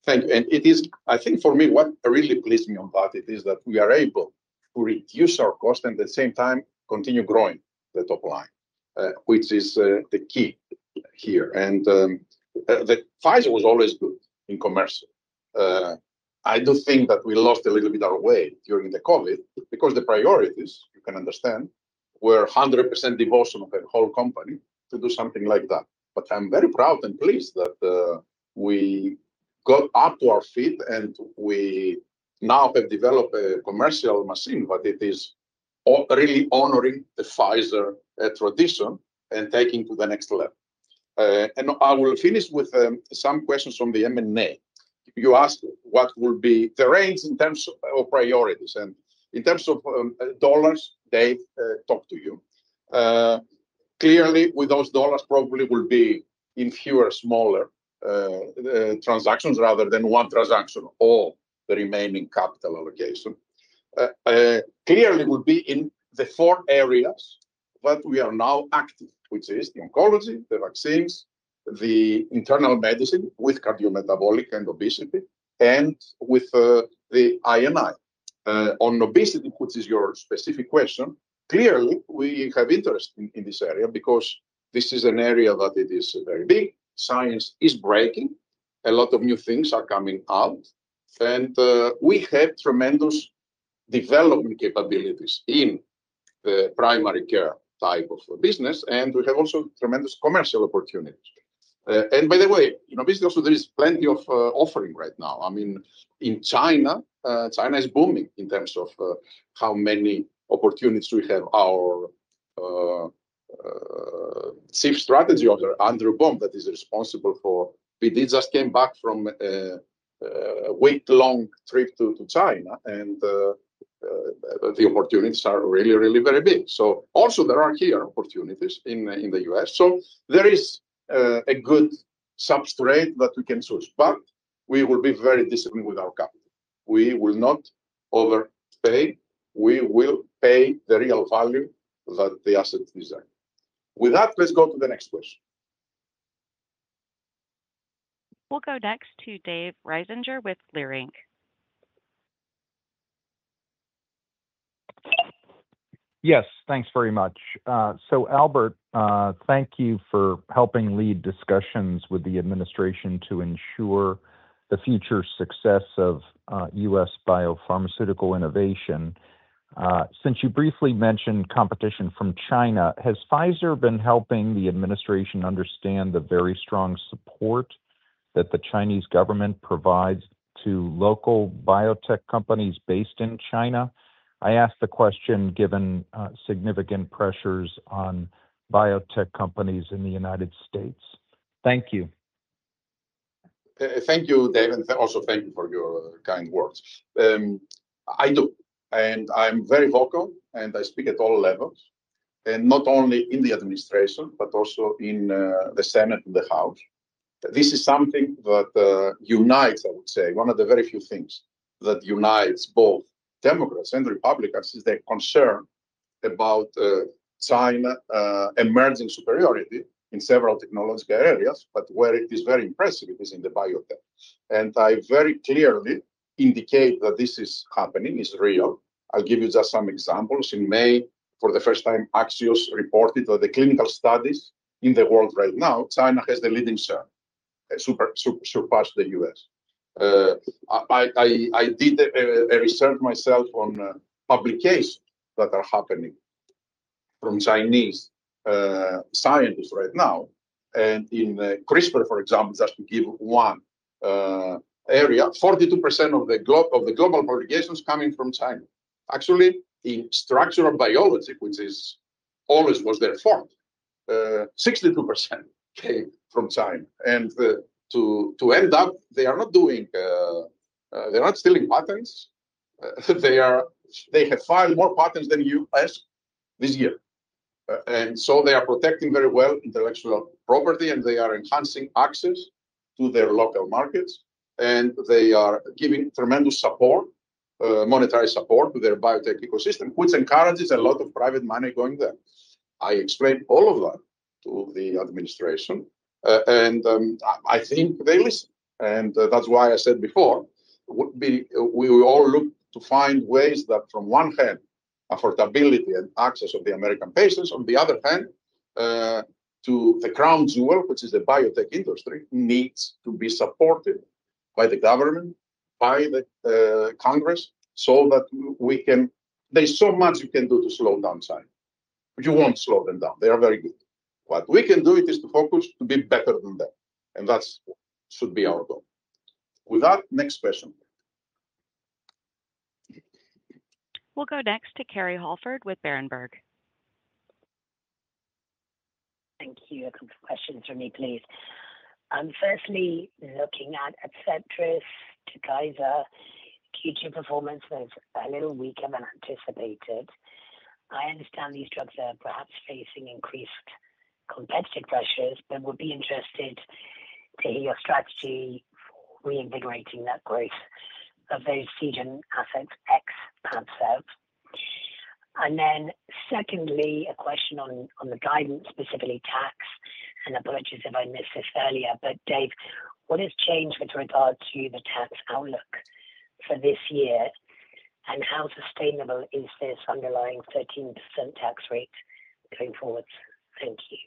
S3: I think for me what really pleased me about it is that we are able to reduce our cost and at the same time continue growing the top line, which is the key here. Pfizer was always good in commercial. I do think that we lost a little bit of weight during COVID because the priorities, you can understand, were 100% devotion of the whole company to do something like that. I'm very proud and pleased that we got up to our feet and we now have developed a commercial machine. It is really honoring the Pfizer tradition and taking it to the next level. I will finish with some questions from the M&A. You ask what will be the range in terms of priorities and in terms of dollars. Dave, talk to you. Clearly, with those dollars, probably will be in fewer, smaller transactions rather than one transaction, or the remaining capital allocation clearly would be in the four areas that we are now active, which is oncology, vaccines, internal medicine with cardiometabolic and obesity, and with the INI on obesity, which is your specific question. Clearly, we have interest in this area because this is an area that is very big. Science is breaking. A lot of new things are coming out and we have tremendous development capabilities in the primary care type of business and we have also tremendous commercial opportunity. By the way, also there is plenty of offering right now, I mean in China. China is booming in terms of how many opportunities we have. Our. Chief Strategy Officer Andrew Baum that is responsible for PD just came back from a week-long trip to China, and the opportunities are really, really very big. There are also opportunities in the U.S., so there is a good substrate that we can choose. We will be very disciplined with our company. We will not overpay. We will pay the real value that the assets deserve. With that, let's go to the next question.
S1: We'll go next to David Risinger with Leerink.
S13: Yes, thanks very much. Albert, thank you for helping lead discussions with the administration to ensure the future success of U.S. biopharmaceutical innovation. Since you briefly mentioned competition from China, has Pfizer been helping the administration understand the very strong support that the Chinese government provides to local biotech companies based in China? I ask the question given significant pressures on biotech companies in the United States. Thank you.
S3: Thank you, David. Also, thank you for your kind words. I do, and I'm very vocal, and I speak at all levels, not only in the administration but also in the Senate and the House. This is something that unites, I would say, one of the very few things that unites both Democrats and Republicans is their concern about China emerging superiority in several technological areas. Where it is very impressive is in biotech, and I very clearly indicate that this is happening, it is real. I'll give you just some examples. In May, for the first time, Axios reported on the clinical studies in the world. Right now, China has surpassed the U.S. I did research myself on publications that are happening from Chinese scientists right now, and in CRISPR, for example, just to give one area, 42% of the global publications are coming from China. Actually, in structural biology, which always was their fault, 62% came from China. They are not stealing patents. They have filed more patents than U.S. this year, and so they are protecting very well intellectual property, and they are enhancing access to their local markets, and they are giving tremendous support, monetary support, to their biotech ecosystem, which encourages a lot of private money going there. I explained all of that to the administration, and I think they listen, and that's why I said before, we all look to find ways that from one hand, affordability and access of the American patients, on the other hand, to the crown jewel, which is the biotech industry, needs to be supported by the government, by the Congress, so that we can. There's so much you can do to slow down China. You won't slow them down. They are very good. What we can do is to focus to be better than them, and that should be our goal. With that, next question.
S1: We'll go next to Kerry Holford with Berenberg.
S14: Thank you. A couple questions for me please. I'm firstly looking at ADCETRIS to guide as Q2 performance was a little weaker than anticipated. I understand these drugs are perhaps facing increased competitive pressures, but would be interested to hear your strategy reinvigorating that growth of those Seagen assets ex Padcev, and then secondly a question on the guidance specifically, tax, and apologies if I missed this earlier, but Dave, what has changed with regard to the tax outlook for this year and how sustainable is this underlying 13% tax rate going forward? Thank you,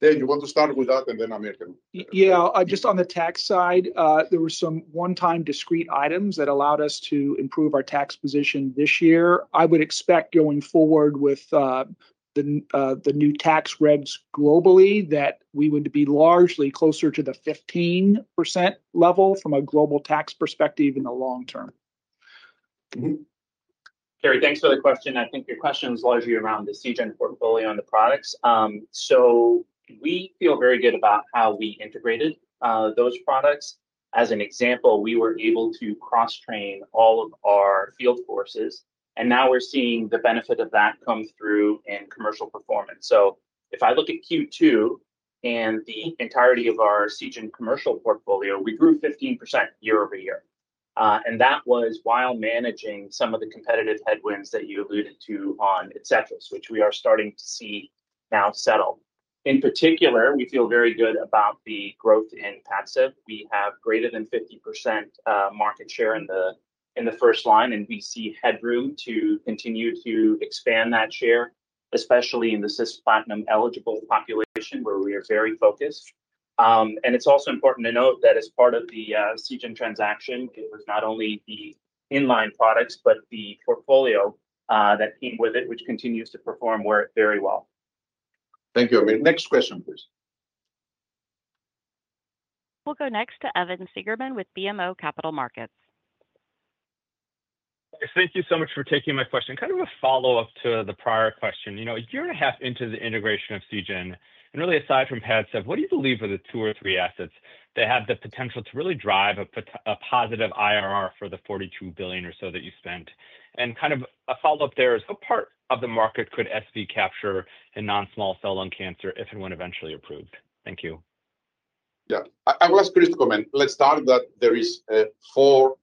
S3: Dave. You want to start with that and then Aamir?
S4: Yeah, just on the tax side, there were some one-time discrete items that allowed us to improve our tax position this year. I would expect going forward with the new tax regs globally that we would be largely closer to the 15% level from a global tax perspective in the long term.
S6: Kerry, thanks for the question. I think your questions led you around the Seagen portfolio and the products. We feel very good about how we integrated those products. As an example, we were able to cross train all of our field forces and now we're seeing the benefit of that come through in commercial performance. If I look at Q2 and the entirety of our Seagen commercial portfolio, we grew 15% year-over-year and that was while managing some of the competitive headwinds that you alluded to on ADCETRIS, which we are starting to see now settle. In particular, we feel very good about the growth in Padcev. We have greater than 50% market share in the first line and we see headroom to continue to expand that share, especially in the cisplatin-eligible population where we are very focused. It's also important to note that as part of the Seagen transaction, it was not only the inline products but the portfolio that came with it, which continues to perform very well.
S3: Thank you. Aamir, next question please.
S1: We'll go next to Evan Seigerman with BMO Capital Markets.
S15: Thank you so much for taking my question. Kind of a follow up to the prior question. You know, a year and a half into the integration of Seagen and really aside from Padcev, what do you believe are the two or three assets that have the potential to really drive a positive IRR for the $42 billion or so that you spent? Kind of a follow up there is what part of the market could SV capture in non-small cell lung cancer if and when eventually approved? Thank you.
S3: Yeah. I will ask to comment. Let's start that there is four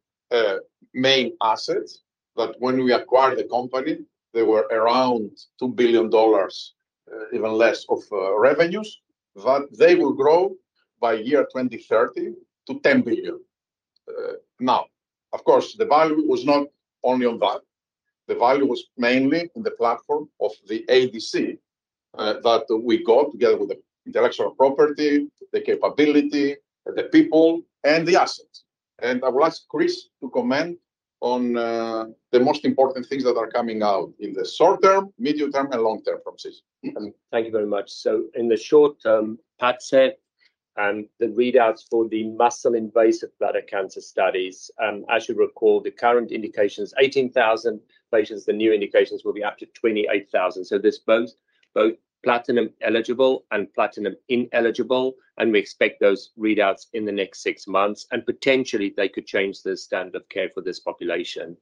S3: main assets that when we acquired the company they were around $2 billion, even less of revenues, they will grow by year 2030 to $10 billion. Now of course the value was not only on that. The value was mainly in the platform of the ADC that we got together with the intellectual property, the capability, the people, and the assets. I will ask Chris to comment on the most important things that are coming out in the short term, medium term, and long term procedures.
S8: Thank you very much. In the short term, Pat said the readouts for the muscle invasive bladder cancer studies, as you recall the current indications, 18,000 patients, the new indications will be up to 28,000. This burns both platinum eligible and platinum ineligible and we expect those readouts in the next six months and potentially they could change the standard of care for this population.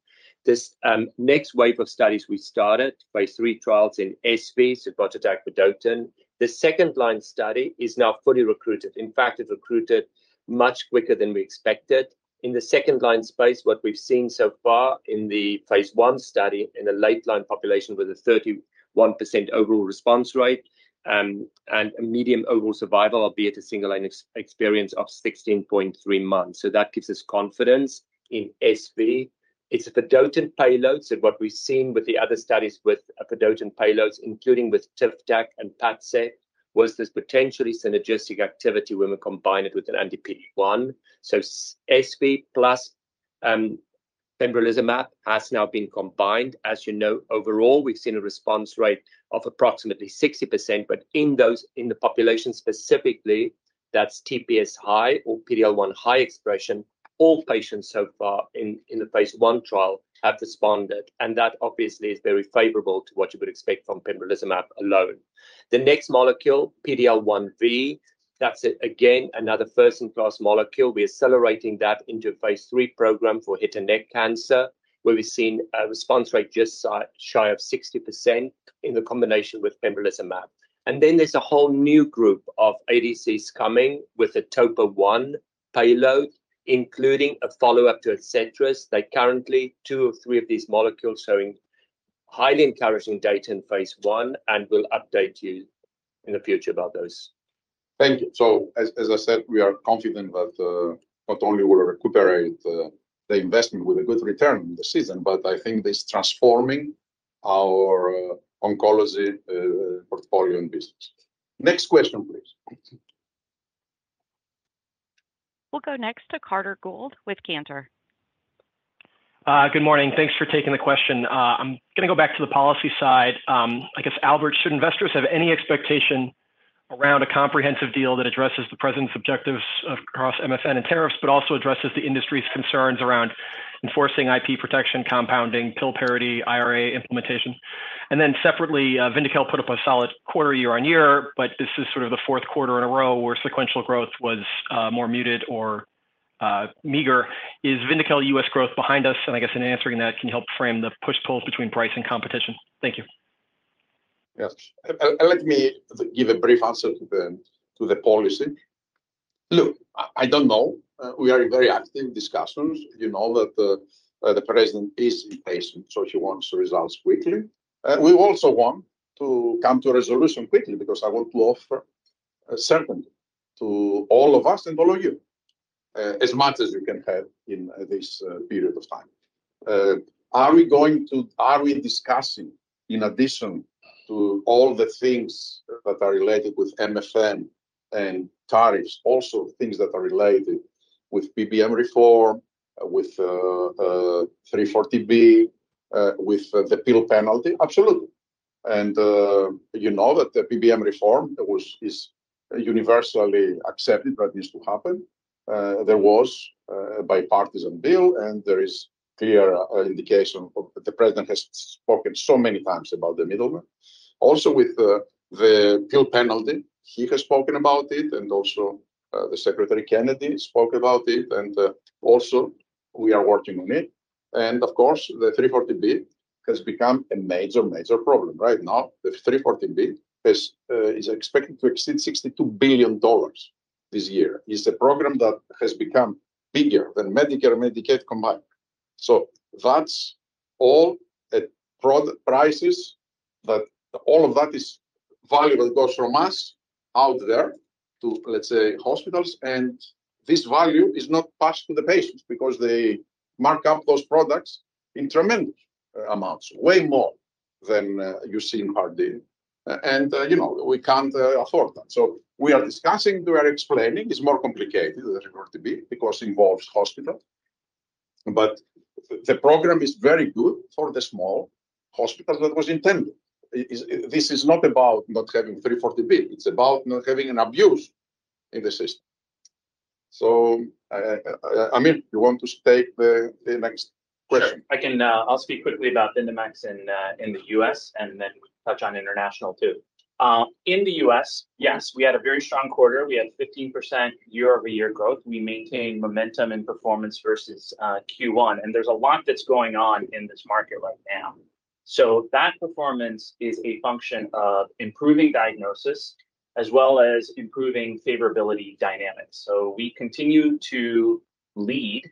S8: This next wave of studies, we started phase III trials in SV, Sigvotatug vedotin. The second line study is now fully recruited. In fact, it recruited much quicker than we expected in the second line space. What we've seen so far in the phase I study in a late line population with a 31% overall response rate and median overall survival, albeit a single line experience, of 16.3 months. That gives us confidence in SV, it's a vedotin payload. What we've seen with the other studies with vedotin payloads, including with [TICOVAC] and Padcev, was this potentially synergistic activity when we combine it with a PD-1. SV plus pembrolizumab has now been combined. As you know, overall we've seen a response rate of approximately 60%. In the population specifically, that's TPS high or PD-L1 high expression, all patients so far in the phase I trial have responded and that obviously is very favorable to what you would expect from pembrolizumab alone. The next molecule, PD-L1 V, that's again another first-in-class molecule, we're accelerating that into a phase III program for head and neck cancer where we've seen a response rate just shy of 60% in the combination with pembrolizumab. There is a whole new group of ADCs coming with a Topo1 payload including a follow up to ADCETRIS. Currently, two or three of these molecules are showing highly encouraging data in phase I. We'll update you in the future about those.
S3: Thank you. As I said, we are confident that not only will we recuperate the investment with a good return this season, but I think it's transforming our oncology portfolio and business. Next question, please.
S1: We'll go next to Carter Gould with Cantor.
S16: Good morning. Thanks for taking the question. I'm going to go back to the policy side, I guess. Albert, should investors have any expectation around a comprehensive deal that addresses the President's objectives across MFN and tariffs, but also addresses the industry's concerns around enforcing IP protection, compounding pill parity, IRA implementation, and then separately, Vyndaqel put up a solid quarter year on year, but this is sort of the fourth quarter in a row where sequential growth was more muted or meager. Is Vyndaqel U.S. growth behind us? I guess in answering that, can you help frame the push pulls between price and competition. Thank you.
S3: Yes. Let me give a brief answer to the policy. Look, I don't know, we are in very active discussions. You know that the President is impatient, so he wants results quickly. We also want to come to a resolution quickly because I want to offer certainty to all of us and all of you as much as you can have in this period of time. Are we discussing, in addition to all the things that are related with MFN and tariffs, also things that are related with PBM reform, with 340B, with the pill penalty? Absolutely. You know that the PBM reform is universally accepted, that this will happen. There was a bipartisan bill, and there is clear indication that the President has spoken so many times about the middleman, also with the pill penalty. He has spoken about it, and also the Secretary Kennedy spoke about it, and we are working on it. Of course, the 340B has become a major, major problem right now. The 340B is expected to exceed $62 billion this year. It is a program that has become bigger than Medicare and Medicaid combined. That's all a broad price that all of that is valuable, goes from us out there to, let's say, hospitals. This value is not passed to the patients because they mark up those products in tremendous amounts, way more than you see in Part D. You know we can't afford that. We are discussing, we are explaining, it's more complicated than 340B because it involves hospitals, but the program is very good for the small hospital that was intended. This is not about not having 340B. It's about not having an abuse in the system. Amir, you want to take the next question.
S6: I'll speak quickly about the max in the U.S. and then touch on international too. In the U.S. yes we had a very strong quarter. We had 15% year-over-year growth. We maintain momentum and performance versus Q1, and there's a lot that's going on in this market right now. That performance is a function of improving diagnosis as well as improving favorability dynamics. We continue to lead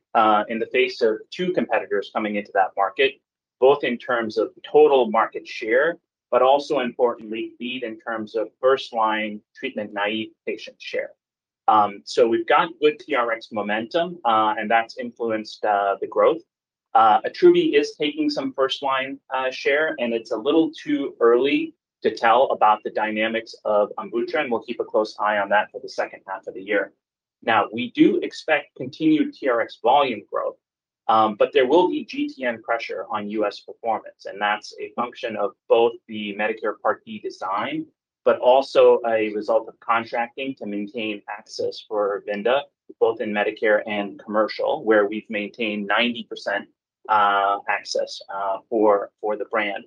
S6: in the face of two competitors coming into that market both in terms of total market share, but also importantly indeed in terms of first line treatment naive patient share. We've got good TRX momentum and that's influenced the growth. Attruby is taking some first line share, and it's a little too early to tell about the dynamics of [Umbutra], and we'll keep a close eye on that for the second half of the year. We do expect continued TRX volume growth, but there will be GTM pressure on U.S. performance, and that's a function of both the Medicare Part D design, but also a result of contracting to maintain access for [Lidia], both in Medicare and commercial where we've maintained 90% access for the brand.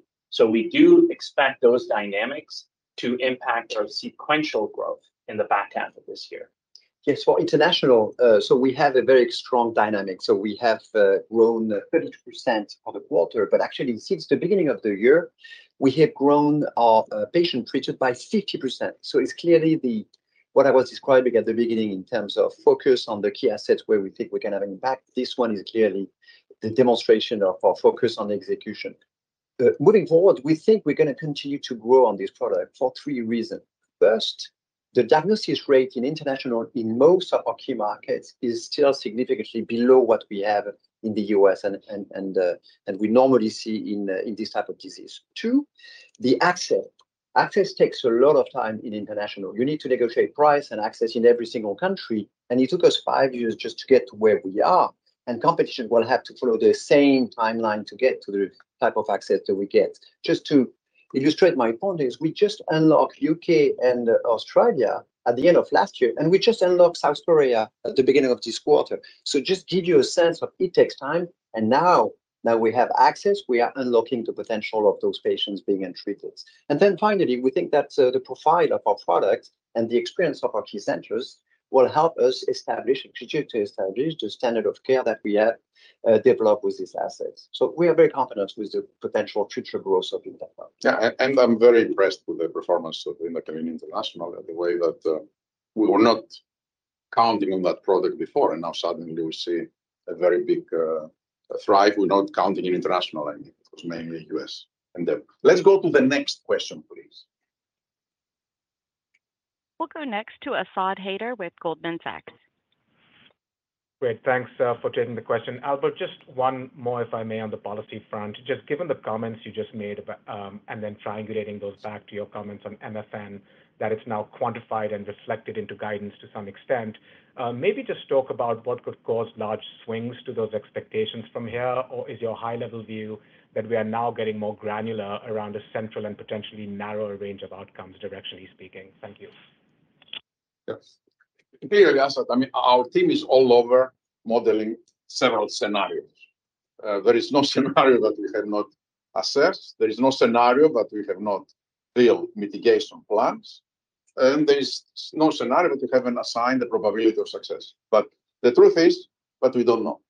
S6: We do expect those dynamics to impact our sequential growth in the back half of this year.
S12: Yes, for international, we have a very strong dynamic. We have grown 32% for the quarter, but actually since the beginning of the year we have grown our patient reach by 50%. It's clearly what I was describing at the beginning in terms of focus on the key assets where we think we can have an impact. This is clearly the demonstration of our focus on execution moving forward. We think we're going to continue to grow on this product for three reasons. First, the diagnosis rate in international in most of our key markets is still significantly below what we have in the U.S. and what we normally see in this type of disease. Two, the access takes a lot of time in international. You need to negotiate price and access in every single country and it took us five years just to get to where we are. Competition will have to follow the same timeline to get to the type of access that we get. To illustrate my point, we just unlocked the U.K. and Australia at the end of last year and we just unlocked South Korea at the beginning of this quarter. This gives you a sense of how it takes time. Now that we have access, we are unlocking the potential of those patients being treated. Finally, we think that the profile of our product and the experience of our key centers will help us establish the standard of care that we have developed with these assets. We are very confident with the potential future growth of this product.
S3: Yeah, I'm very impressed with the performance of India, Canadian International, the way that we were not counting on that product before and now suddenly we see a very big thrive. We're not counting even international, any U.S. in there. Let's go to the next question, please.
S1: We'll go next to Asad Haider with Goldman Sachs.
S17: Great, thanks for taking the question, Albert. Just one more if I may on the policy front, just given the comments you just made and then triangulating those back to your comments on MFN that it's now quantified and reflected into guidance to some extent. Maybe just talk about what could cause large swings to those expectations from here, or is your high level view that we are now getting more granular around a central and potentially narrower range of outcomes, directionally speaking. Thank you.
S3: Yes. I mean our team is all over modeling several scenarios. There is no scenario that we have not assessed. There is no scenario that we have not filed mitigation plans and there is no scenario that we haven't assigned the probability of success. The truth is we don't know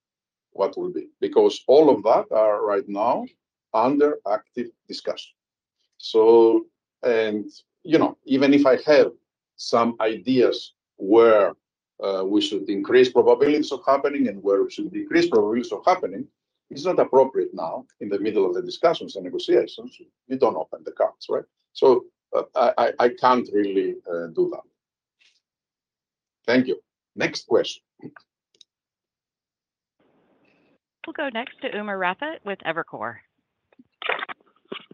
S3: what will be because all of that are right now under actual still discuss, and you know even if I have some ideas where we should increase probabilities of happening and where we should decrease probabilities of happening, it's not appropriate now in the middle of the discussions and negotiations, you don't open the cards, right. I can't really do that. Thank you. Next question.
S1: We'll go next to Umer Raffat with Evercore.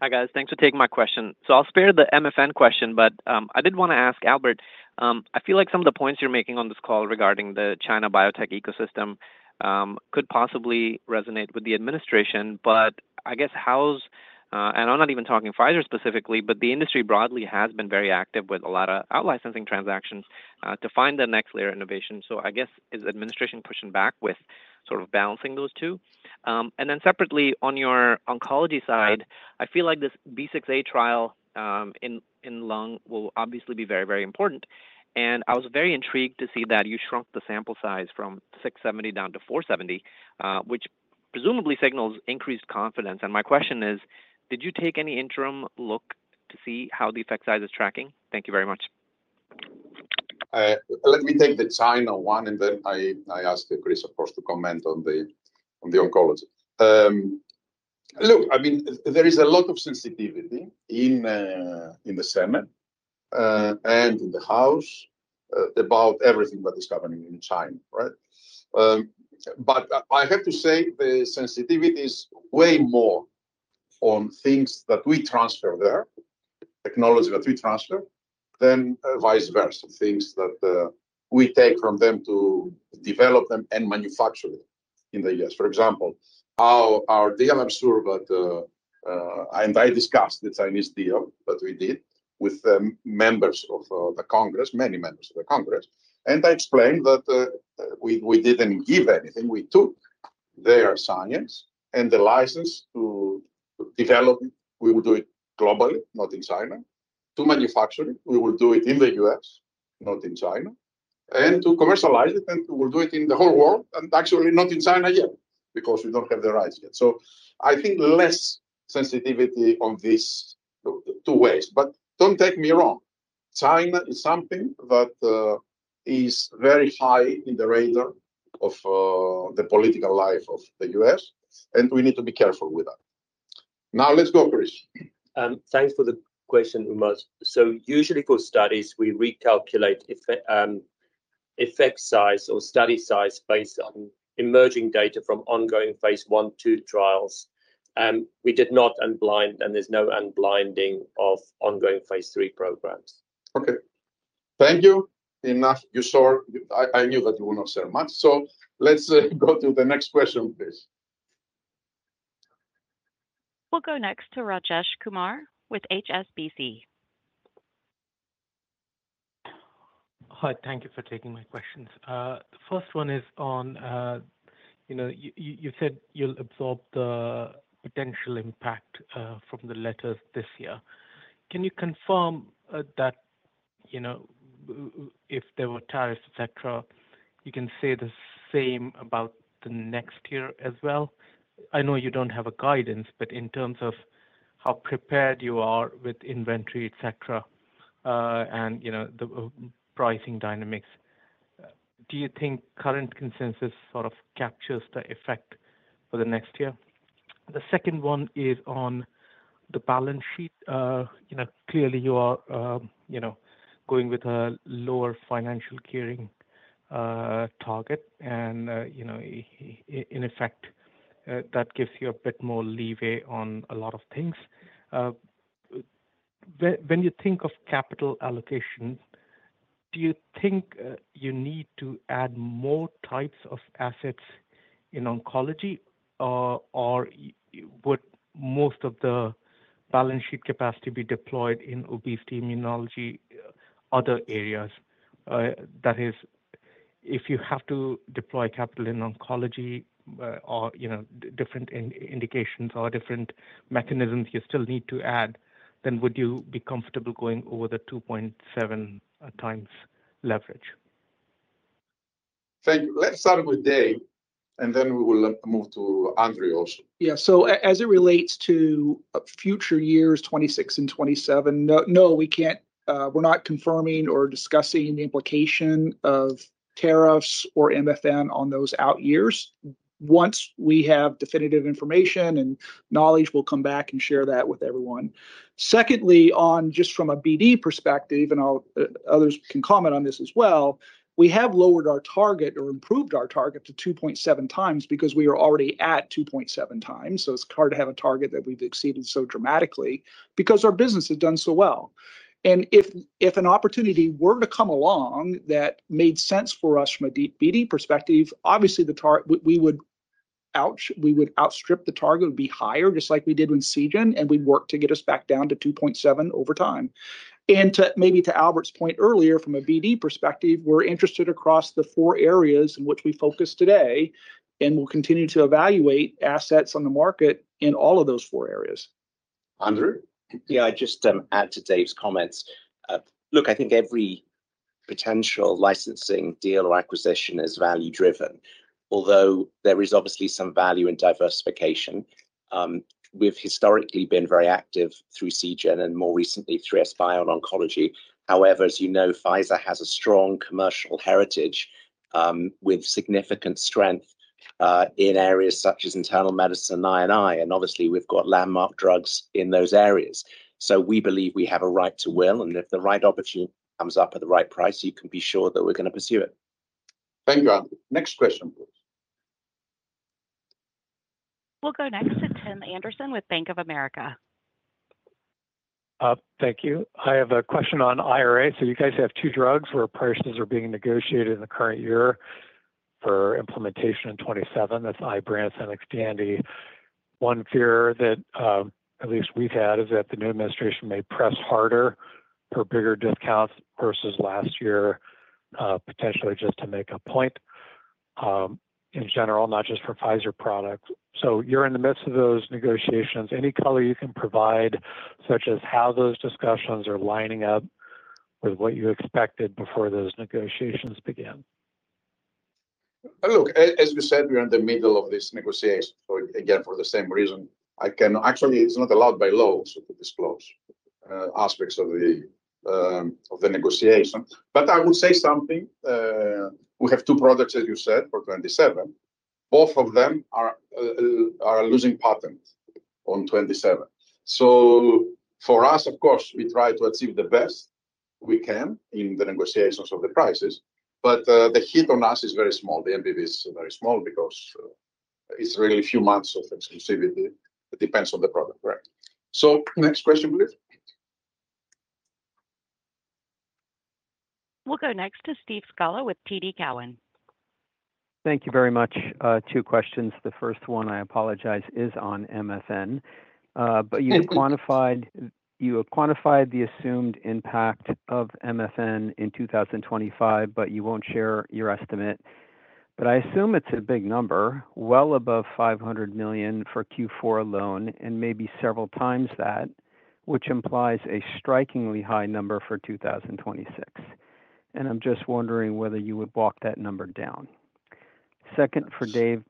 S18: Hi guys, thanks for taking my question. I'll spare the MFN question, but I did want to ask Albert, I feel like some of the points you're making on this call regarding the China biotech ecosystem could possibly resonate with the administration. I guess, and I'm not even talking Pfizer specifically, but the industry broadly has been very active with a lot of out-licensing transactions to find the next layer of innovation. I guess, is the administration pushing back with sort of balancing those two? Then separately, on your oncology side, I feel like this B6A trial in lung will obviously be very, very important, and I was very intrigued to see that you shrunk the sample size from 670 down to 470, which presumably signals increased confidence. My question is, did you take any interim look to see how the effect size is tracking? Thank you very much.
S3: Let me take the China one and then I ask Chris, of course, to comment on the oncology. I mean, there is a lot of sensitivity in the Senate and in the House about everything that is happening in China. I have to say the sensitivity is way more on things that we transfer there, technology that we transfer, than vice versa, things that we take from them to develop them and manufacture them in the U.S. For example, how our DLM serve at, and I discussed the Chinese deal that we did with members of Congress, many members of Congress, and I explained that we didn't give anything, we took their science and the license to develop. We will do it globally, not in China, to manufacture it. We will do it in the U.S., not in China, and to commercialize it, and we'll do it in the whole world, and actually not in China yet because we don't have the rights yet. I think less sensitivity on these two ways. Don't take me wrong, China is something that is very high on the radar of the political life of the U.S., and we need to be careful with that. Now let's go, Chris.
S8: Thanks for the question, Umer. Usually for studies we recalculate effect size or study size based on emerging data from ongoing phase I/II trials. We did not unblind, and there's no unblinding of ongoing phase III programs.
S3: Okay, thank you. You saw, I knew that you would not share much. Let's go to the next question please.
S1: We'll go next to Rajesh Kumar with HSBC.
S19: Hi, thank you for taking my questions. The first one is on, you know, you said you'll absorb the potential impact from the letters this year. Can you confirm that, you know, if there were tariffs, etc., you can say the same about the next year as well? I know you don't have a guidance, but in terms of how prepared you are with inventory, etc., and you know, the pricing dynamics, do you think current consensus sort of captures the effect for the next year? The second one is on the balance sheet. Clearly you are going with a lower financial gearing target, and in effect that gives you a bit more leeway on a lot of things. When you think of capital allocation, do you think you need to add more types of assets in oncology, or would most of the balance sheet capacity be deployed in obesity, immunology, other areas? That is, if you have to deploy capital in oncology or, you know, different indications or different mechanisms you still need to add, then would you be comfortable going over the 2.7x leverage?
S3: Thank you. Let's start with Dave, and then we will move to Andrew also.
S4: Yeah. As it relates to future years 2026 and 2027, no, we can't. We're not confirming or discussing the implication of tariffs or MFN on those out years. Once we have definitive information and knowledge, we'll come back and share that with everyone. Secondly, just from a BD perspective, and others can comment on this as well, we have lowered our target or improved our target to 2.7x because we are already at 2.7x. It's hard to have a target that we've exceeded so dramatically because our business has done so well. If an opportunity were to come along that made sense for us from a deep BD perspective, obviously the target would be higher, just like we did when Seagen and we work to get us back down to 2.7x over time. Maybe to Albert's point earlier, from a BD perspective, we're interested across the four areas in which we focus today and we'll continue to evaluate assets on the market in all of those four areas.
S3: Andrew?
S20: Yeah, I just add to Dave's comments. Look, I think every potential licensing deal or acquisition is value driven, although there is obviously some value in diversification. We've historically been very active through Seagen and more recently through 3SBio Oncology. However, as you know, Pfizer has a strong commercial heritage with significant strength in areas such as internal medicine, immunology and. Obviously we've got landmark drugs in those areas. We believe we have a right to will. If the right opportunity comes up. At the right price, you can be. Sure that we're going to pursue it.
S3: Thank you. Next question.
S1: We'll go next to Tim Anderson with Bank of America.
S21: Thank you. I have a question on IRA. You guys have two drugs where prices are being negotiated in the current year for implementation in 2027. That's Ibrance and Xtandi. One fear that at least we've had is that the new administration may press harder for bigger depth cuts versus last year, potentially just to make a point in general, not just for Pfizer products. You're in the midst of those negotiations. Any color you can provide, such as how those discussions are lining up with what you expected before those negotiations began.
S3: Look, as you said, we are in the middle of this negotiation again for the same reason. I can actually, it's not allowed by law to disclose aspects of the negotiation. I will say something. We have two products, as you said, for 2027. Both of them are losing patent in 2027. For us, of course, we try to achieve the best we can in the negotiations of the prices, but the hit on us is very small. The NPV is very small because it's really a few months of the year, and CVD depends on the product. Right. Next question, please.
S1: We'll go next to Steve Scala with TD Cowen.
S22: Thank you very much. Two questions. The first one, I apologize, is on MFN. You quantified the assumed impact of MFN in 2025, but you won't share your estimate. I assume it's a big number, well above $500 million for Q4 alone and maybe several times that, which implies a strikingly high number for 2026. I'm just wondering whether you would walk that number down. Second, for Dave,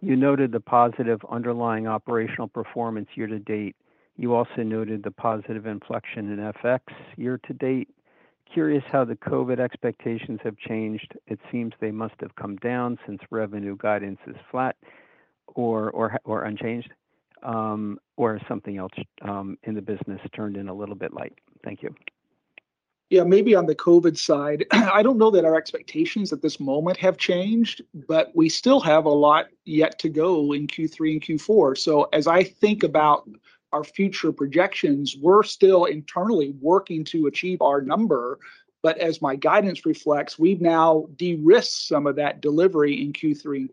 S22: you noted the positive underlying operational performance year to date. You also noted the positive inflection in FX year to date. Curious how the COVID expectations have changed. It seems they must have come down since revenue guidance is flat or unchanged, or something else in the business turned in a little bit light. Thank you.
S4: Yeah, maybe on the COVID side, I don't know that our expectations at this moment have changed, but we still have a lot yet to go in Q3 and Q4. As I think about our future projections, we're still internally working to achieve our number. As my guidance reflects, we've now de-risked some of that delivery in Q3.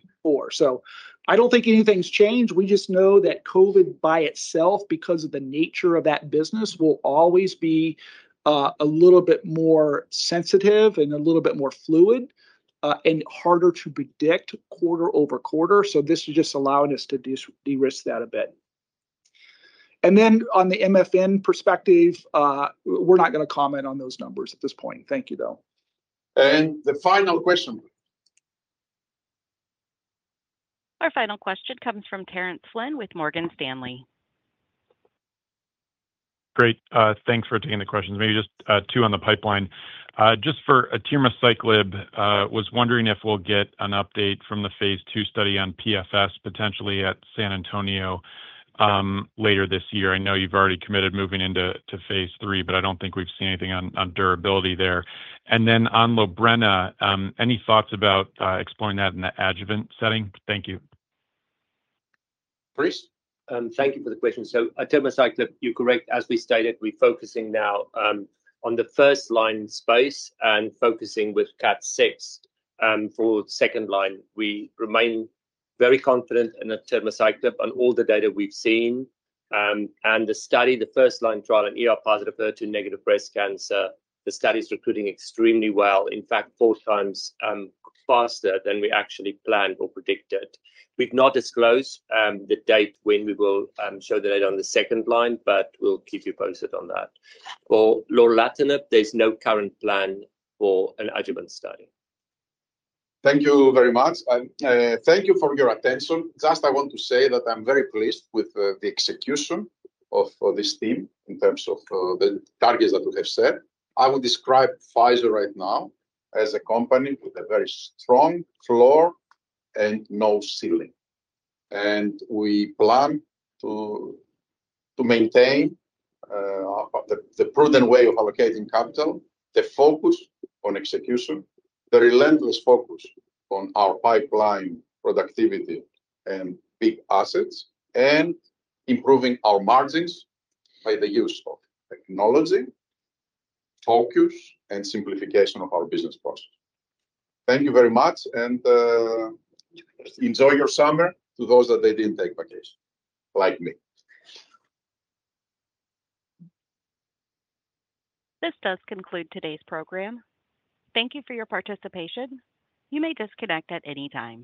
S4: I don't think anything's changed. We just know that COVID by itself, because of the nature of that business, will always be a little bit more sensitive and a little bit more fluid and harder to predict quarter-over-quarter. This is just allowing us to de-risk that a bit. On the MFN perspective, we're not going to comment on those numbers at this point. Thank you, though.
S3: The final question.
S1: Our final question comes from Terence Flynn with Morgan Stanley.
S23: Great, thanks for taking the questions. Maybe just two on the pipeline. Just for atirmociclib, was wondering if we'll get an update from the phase II study on PFS potentially at San Antonio later this year. I know you've already committed moving into phase III, but I don't think we've seen anything on durability there, and then on Lorbrena, any thoughts about exploring that in the adjuvant setting? Thank you,
S3: Bruce. Thank you for the question. You're correct. As we stated, we're focusing now on the first line space and focusing with KAT6 for second line. We remain very confident in a [termocyclip] on all the data we've seen and the study, the first line trial in ER-positive HER2-negative breast cancer. The study is recruiting extremely well, in fact four times faster than we actually planned or predicted. We've not disclosed the date when we will show the data on the second line, but we'll keep you posted on that. For [Lorbrena], there's no current plan for an adjuvant study. Thank you very much, and thank you for your attention. I just want to say that I'm very pleased with the execution of this team in terms of the targets that we have set. I will describe Pfizer right now as a company with a very strong floor and no ceiling. We plan to maintain the prudent way of allocating capital, the focus on execution, the relentless focus on our pipeline, productivity and big assets, and improving our margins by the use of technology, focus, and simplification of our business process. Thank you very much, and enjoy your summer to those that didn't take vacation like me.
S1: This does conclude today's program. Thank you for your participation. You may disconnect at any time.